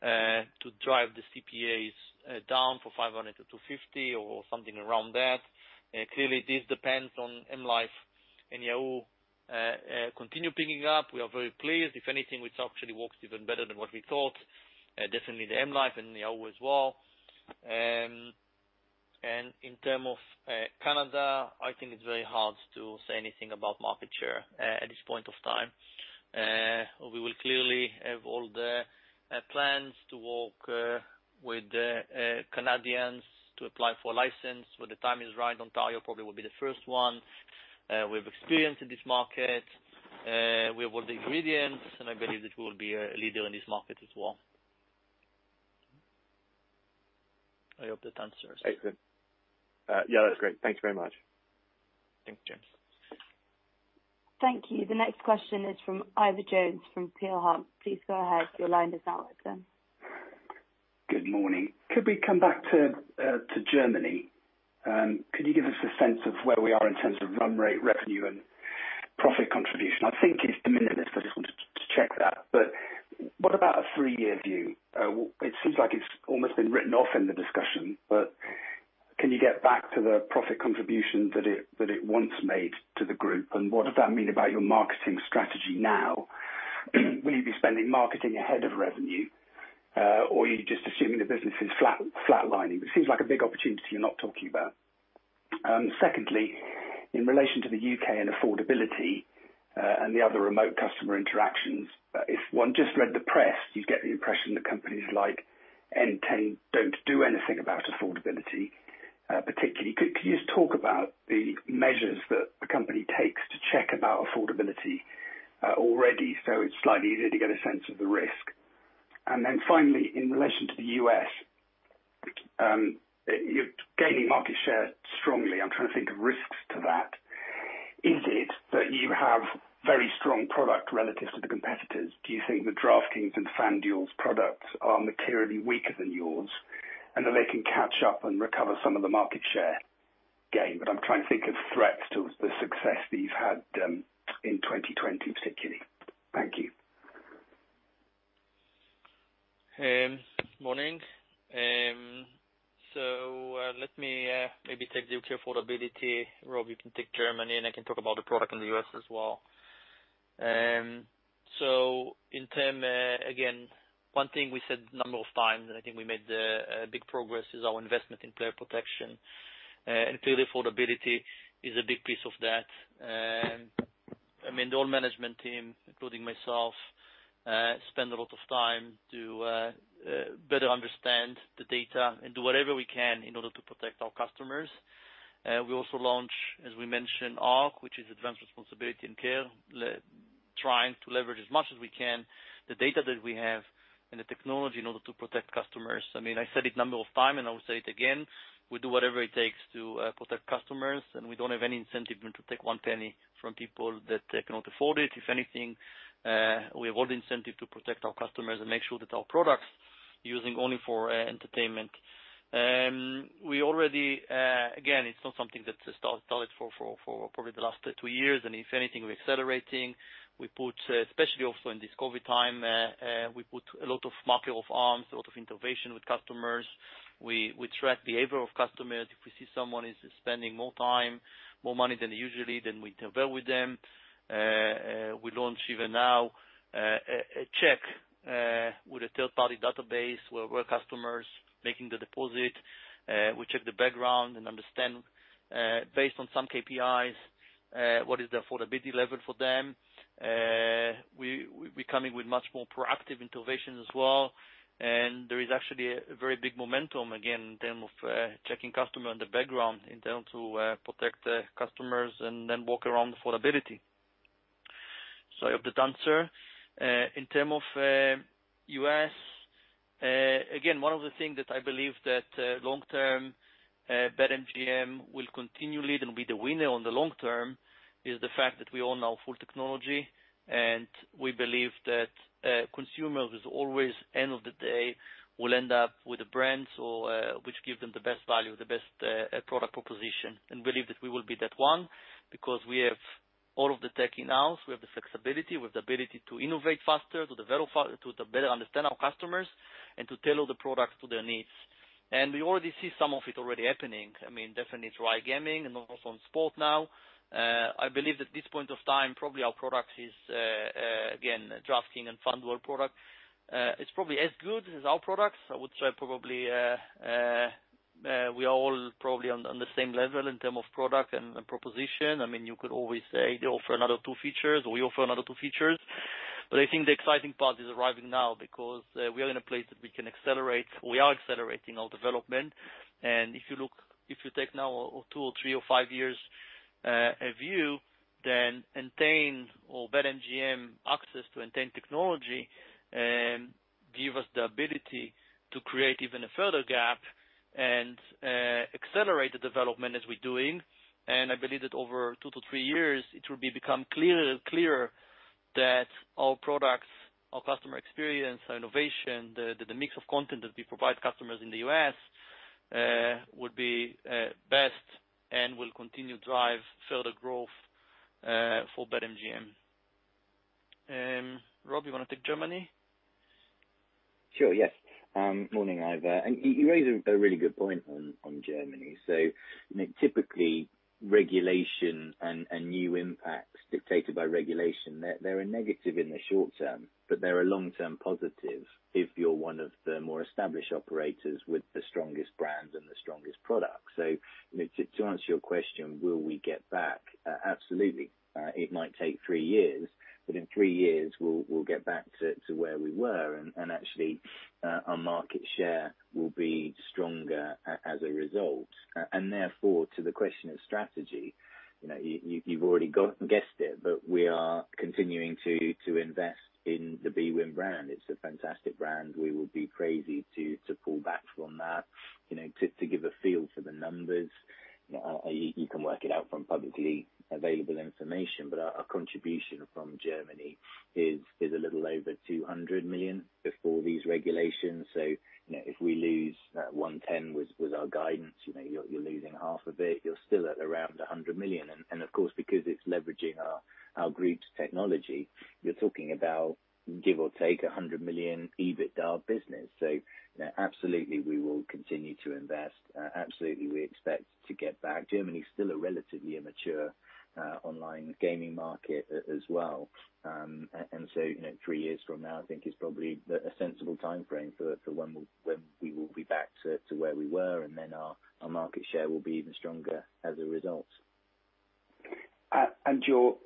to drive the CPAs down from 500 to 250 or something around that. Clearly, this depends on M life and Yahoo continuing to pick up. We are very pleased. If anything, it actually works even better than what we thought. Definitely the M life and Yahoo as well. And in terms of Canada, I think it's very hard to say anything about market share at this point of time. We will clearly have all the plans to work with Canadians to apply for a license. When the time is right, Ontario probably will be the first one. We have experience in this market. We have all the ingredients, and I believe that we will be a leader in this market as well. I hope that answers. Excellent. Yeah, that's great. Thanks very much. Thanks, James. Thank you. The next question is from Ivor Jones from Peel Hunt. Please go ahead. Your line is now open. Good morning. Could we come back to Germany? Could you give us a sense of where we are in terms of run rate, revenue, and profit contribution? I think it's diminished. I just wanted to check that. But what about a three-year view? It seems like it's almost been written off in the discussion, but can you get back to the profit contribution that it once made to the group? And what does that mean about your marketing strategy now? Will you be spending marketing ahead of revenue, or are you just assuming the business is flatlining? It seems like a big opportunity you're not talking about. Secondly, in relation to the U.K. and affordability and the other remote customer interactions, if one just read the press, you'd get the impression that companies like Entain don't do anything about affordability, particularly. Could you just talk about the measures that the company takes to check about affordability already so it's slightly easier to get a sense of the risk? And then finally, in relation to the U.S., you're gaining market share strongly. I'm trying to think of risks to that. Is it that you have very strong product relative to the competitors? Do you think the DraftKings and FanDuel's products are materially weaker than yours and that they can catch up and recover some of the market share gain? But I'm trying to think of threats to the success that you've had in 2020, particularly. Thank you. Morning. So let me maybe take the U.K. affordability road. We can take Germany, and I can talk about the product in the U.S. as well. So in terms again, one thing we said a number of times, and I think we made a big progress, is our investment in player protection. And clearly, affordability is a big piece of that. I mean, the whole management team, including myself, spend a lot of time to better understand the data and do whatever we can in order to protect our customers. We also launched, as we mentioned, ARC, which is Advanced Responsibility and Care, trying to leverage as much as we can the data that we have and the technology in order to protect customers. I mean, I said it a number of times, and I will say it again. We do whatever it takes to protect customers, and we don't have any incentive to take one penny from people that cannot afford it. If anything, we have all the incentive to protect our customers and make sure that our products are used only for entertainment. Again, it's not something that started for probably the last two years, and if anything, we're accelerating. Especially also in this COVID time, we put a lot of markers of harm, a lot of intervention with customers. We track behavior of customers. If we see someone is spending more time, more money than usual, then we intervene with them. We launched even now a check with a third-party database where customers are making the deposit. We check the background and understand, based on some KPIs, what is the affordability level for them. We're coming with much more proactive interventions as well. There is actually a very big momentum again in terms of checking customers in the background in terms of protecting customers and then working around affordability. I hope that answers. In terms of U.S., again, one of the things that I believe that long-term BetMGM will continue to lead and be the winner on the long term is the fact that we own our full technology. We believe that consumers, always at the end of the day, will end up with a brand which gives them the best value, the best product proposition. We believe that we will be that one because we have all of the tech in-house. We have the flexibility. We have the ability to innovate faster, to better understand our customers, and to tailor the product to their needs. We already see some of it already happening. I mean, definitely it's iGaming and also on sports now. I believe that at this point of time, probably our product is, again, DraftKings and FanDuel product. It's probably as good as our products. I would say probably we are all probably on the same level in terms of product and proposition. I mean, you could always say, "They offer another two features," or, "We offer another two features." But I think the exciting part is arriving now because we are in a place that we can accelerate. We are accelerating our development. And if you look, if you take now a two or three or five years view, then MGM or BetMGM access to MGM technology gives us the ability to create even a further gap and accelerate the development as we're doing. I believe that over two to three years, it will become clearer and clearer that our products, our customer experience, our innovation, the mix of content that we provide customers in the U.S. would be best and will continue to drive further growth for BetMGM. Rob, you want to take Germany? Sure. Yes. Morning, Ivor. And you raise a really good point on Germany. So typically, regulation and new impacts dictated by regulation, they're a negative in the short term, but they're a long-term positive if you're one of the more established operators with the strongest brand and the strongest product. So to answer your question, will we get back? Absolutely. It might take three years, but in three years, we'll get back to where we were. And actually, our market share will be stronger as a result. And therefore, to the question of strategy, you've already guessed it, but we are continuing to invest in the bwin brand. It's a fantastic brand. We will be crazy to pull back from that to give a feel for the numbers. You can work it out from publicly available information, but our contribution from Germany is a little over 200 million before these regulations. So if we lose 110 million, which was our guidance, you're losing half of it. You're still at around 100 million. And of course, because it's leveraging our group's technology, you're talking about, give or take, 100 million EBITDA business. So absolutely, we will continue to invest. Absolutely, we expect to get back. Germany is still a relatively immature online gaming market as well. And so three years from now, I think, is probably a sensible time frame for when we will be back to where we were. And then our market share will be even stronger as a result. Your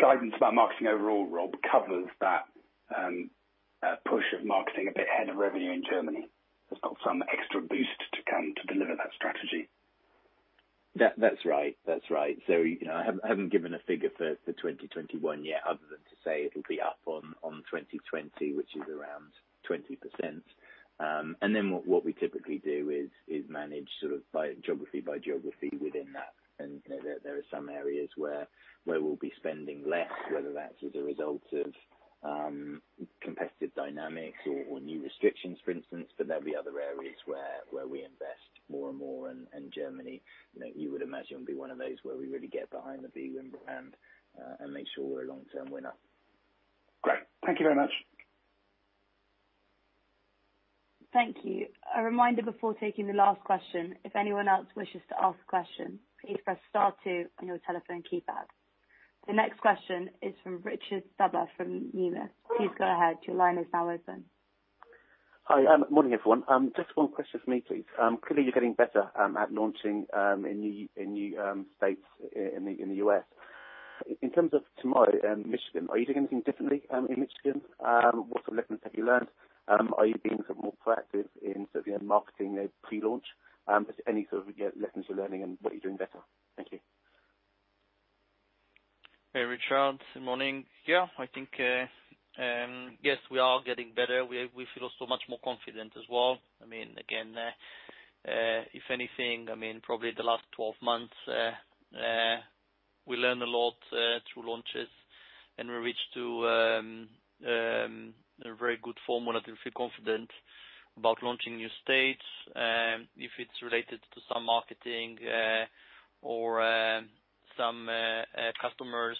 guidance about marketing overall, Rob, covers that push of marketing a bit ahead of revenue in Germany. There's got some extra boost to come to deliver that strategy. That's right. That's right. So I haven't given a figure for 2021 yet other than to say it'll be up on 2020, which is around 20%. And then what we typically do is manage sort of geography by geography within that. And there are some areas where we'll be spending less, whether that's as a result of competitive dynamics or new restrictions, for instance. But there'll be other areas where we invest more and more. And Germany, you would imagine, will be one of those where we really get behind the bwin brand and make sure we're a long-term winner. Great. Thank you very much. Thank you. A reminder before taking the last question. If anyone else wishes to ask a question, please press star two on your telephone keypad. The next question is from Richard Stuber from Numis. Please go ahead. Your line is now open. Hi. Morning, everyone. Just one question for me, please. Clearly, you're getting better at launching in new states in the U.S. In terms of tomorrow, Michigan, are you doing anything differently in Michigan? What sort of lessons have you learned? Are you being sort of more proactive in sort of marketing pre-launch? Just any sort of lessons you're learning and what you're doing better. Thank you. Hey, Richard. Good morning. Yeah, I think, yes, we are getting better. We feel so much more confident as well. I mean, again, if anything, I mean, probably the last 12 months, we learned a lot through launches, and we reached a very good formula to feel confident about launching new states. If it's related to some marketing or some customers'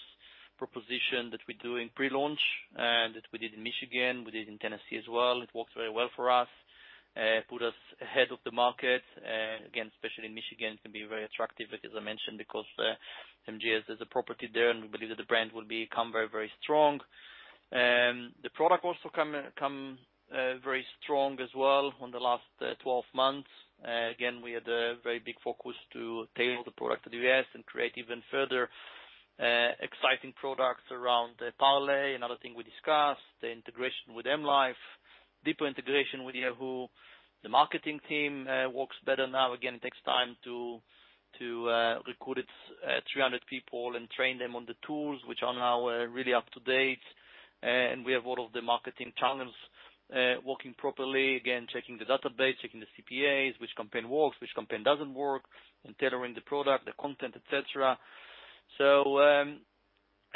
proposition that we do in pre-launch that we did in Michigan, we did in Tennessee as well. It worked very well for us, put us ahead of the market. Again, especially in Michigan, it can be very attractive, as I mentioned, because MGM is a property there, and we believe that the brand will become very, very strong. The product also came very strong as well in the last 12 months. Again, we had a very big focus to tailor the product to the U.S. and create even further exciting products around parlay. Another thing we discussed is the integration with M life, deeper integration with Yahoo. The marketing team works better now. Again, it takes time to recruit 300 people and train them on the tools, which are now really up to date. And we have all of the marketing channels working properly. Again, checking the database, checking the CPAs, which campaign works, which campaign doesn't work, and tailoring the product, the content, etc.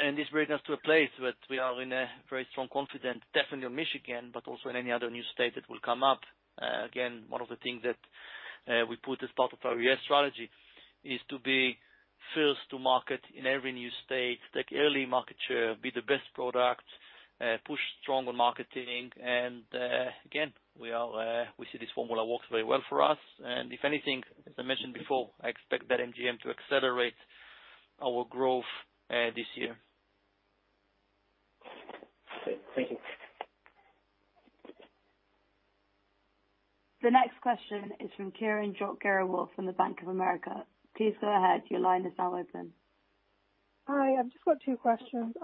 And this brings us to a place that we are very strongly confident, definitely in Michigan, but also in any other new state that will come up. Again, one of the things that we put as part of our U.S. strategy is to be first to market in every new state, take early market share, be the best product, push strong on marketing. And again, we see this formula works very well for us. And if anything, as I mentioned before, I expect BetMGM to accelerate our growth this year. Great. Thank you. The next question is from Kiranjot Grewal from Bank of America. Please go ahead. Your line is now open. Hi. I've just got two questions.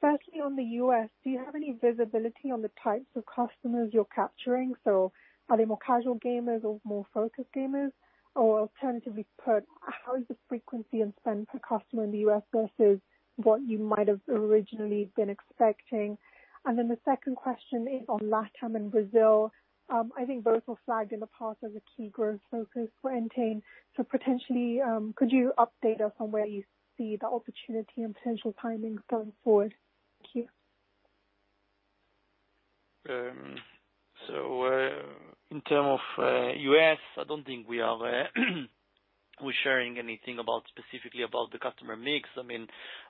Firstly, on the U.S., do you have any visibility on the types of customers you're capturing? So are they more casual gamers or more focused gamers? Or alternatively, how is the frequency and spend per customer in the U.S. versus what you might have originally been expecting? And then the second question is on LATAM and Brazil. I think both were flagged in the past as a key growth focus for Entain. So potentially, could you update us on where you see the opportunity and potential timing going forward? Thank you. So in terms of U.S., I don't think we are sharing anything specifically about the customer mix. I mean,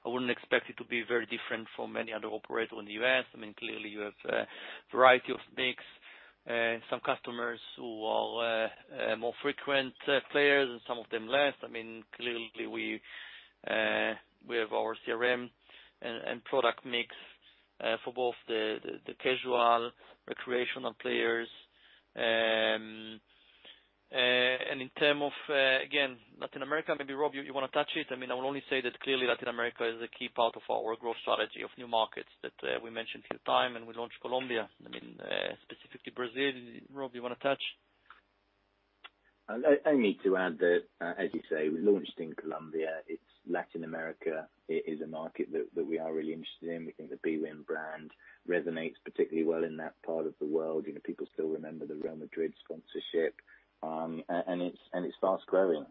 I wouldn't expect it to be very different from any other operator in the U.S. I mean, clearly, you have a variety of mix. Some customers who are more frequent players and some of them less. I mean, clearly, we have our CRM and product mix for both the casual recreational players. And in terms of, again, Latin America, maybe, Rob, you want to touch it? I mean, I will only say that clearly, Latin America is a key part of our growth strategy of new markets that we mentioned a few times, and we launched Colombia. I mean, specifically Brazil. Rob, do you want to touch? I need to add that, as you say, we launched in Colombia. It's Latin America. It is a market that we are really interested in. We think the bwin brand resonates particularly well in that part of the world. People still remember the Real Madrid sponsorship, and it's fast growing.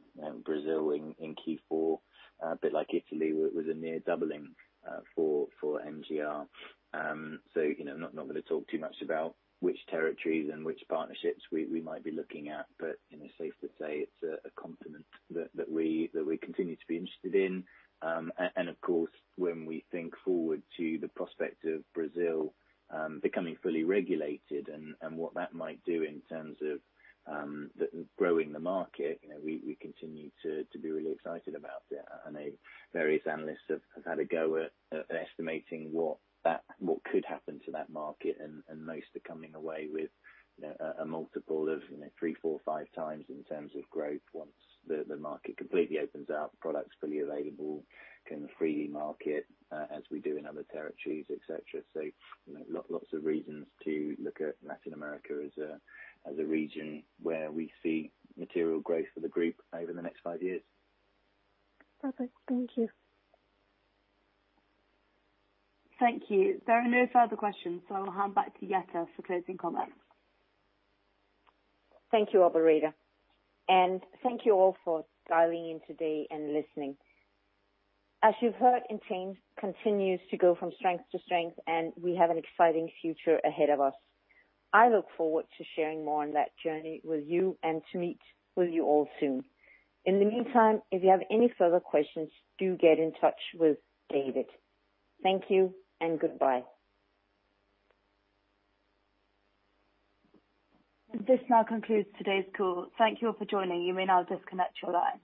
Brazil in Q4, a bit like Italy, was a near doubling for NGR. So I'm not going to talk too much about which territories and which partnerships we might be looking at, but it's safe to say it's a complement that we continue to be interested in. Of course, when we think forward to the prospect of Brazil becoming fully regulated and what that might do in terms of growing the market, we continue to be really excited about it. Various analysts have had a go at estimating what could happen to that market. Most are coming away with a multiple of three, four, five times in terms of growth once the market completely opens up, products fully available, can freely market as we do in other territories, etc. Lots of reasons to look at Latin America as a region where we see material growth for the group over the next five years. Perfect. Thank you. Thank you. There are no further questions, so I will hand back to Jette for closing comments. Thank you, operator. And thank you all for dialing in today and listening. As you've heard, Entain continues to go from strength to strength, and we have an exciting future ahead of us. I look forward to sharing more on that journey with you and to meet with you all soon. In the meantime, if you have any further questions, do get in touch with David. Thank you and goodbye. This now concludes today's call. Thank you all for joining. You may now disconnect your lines.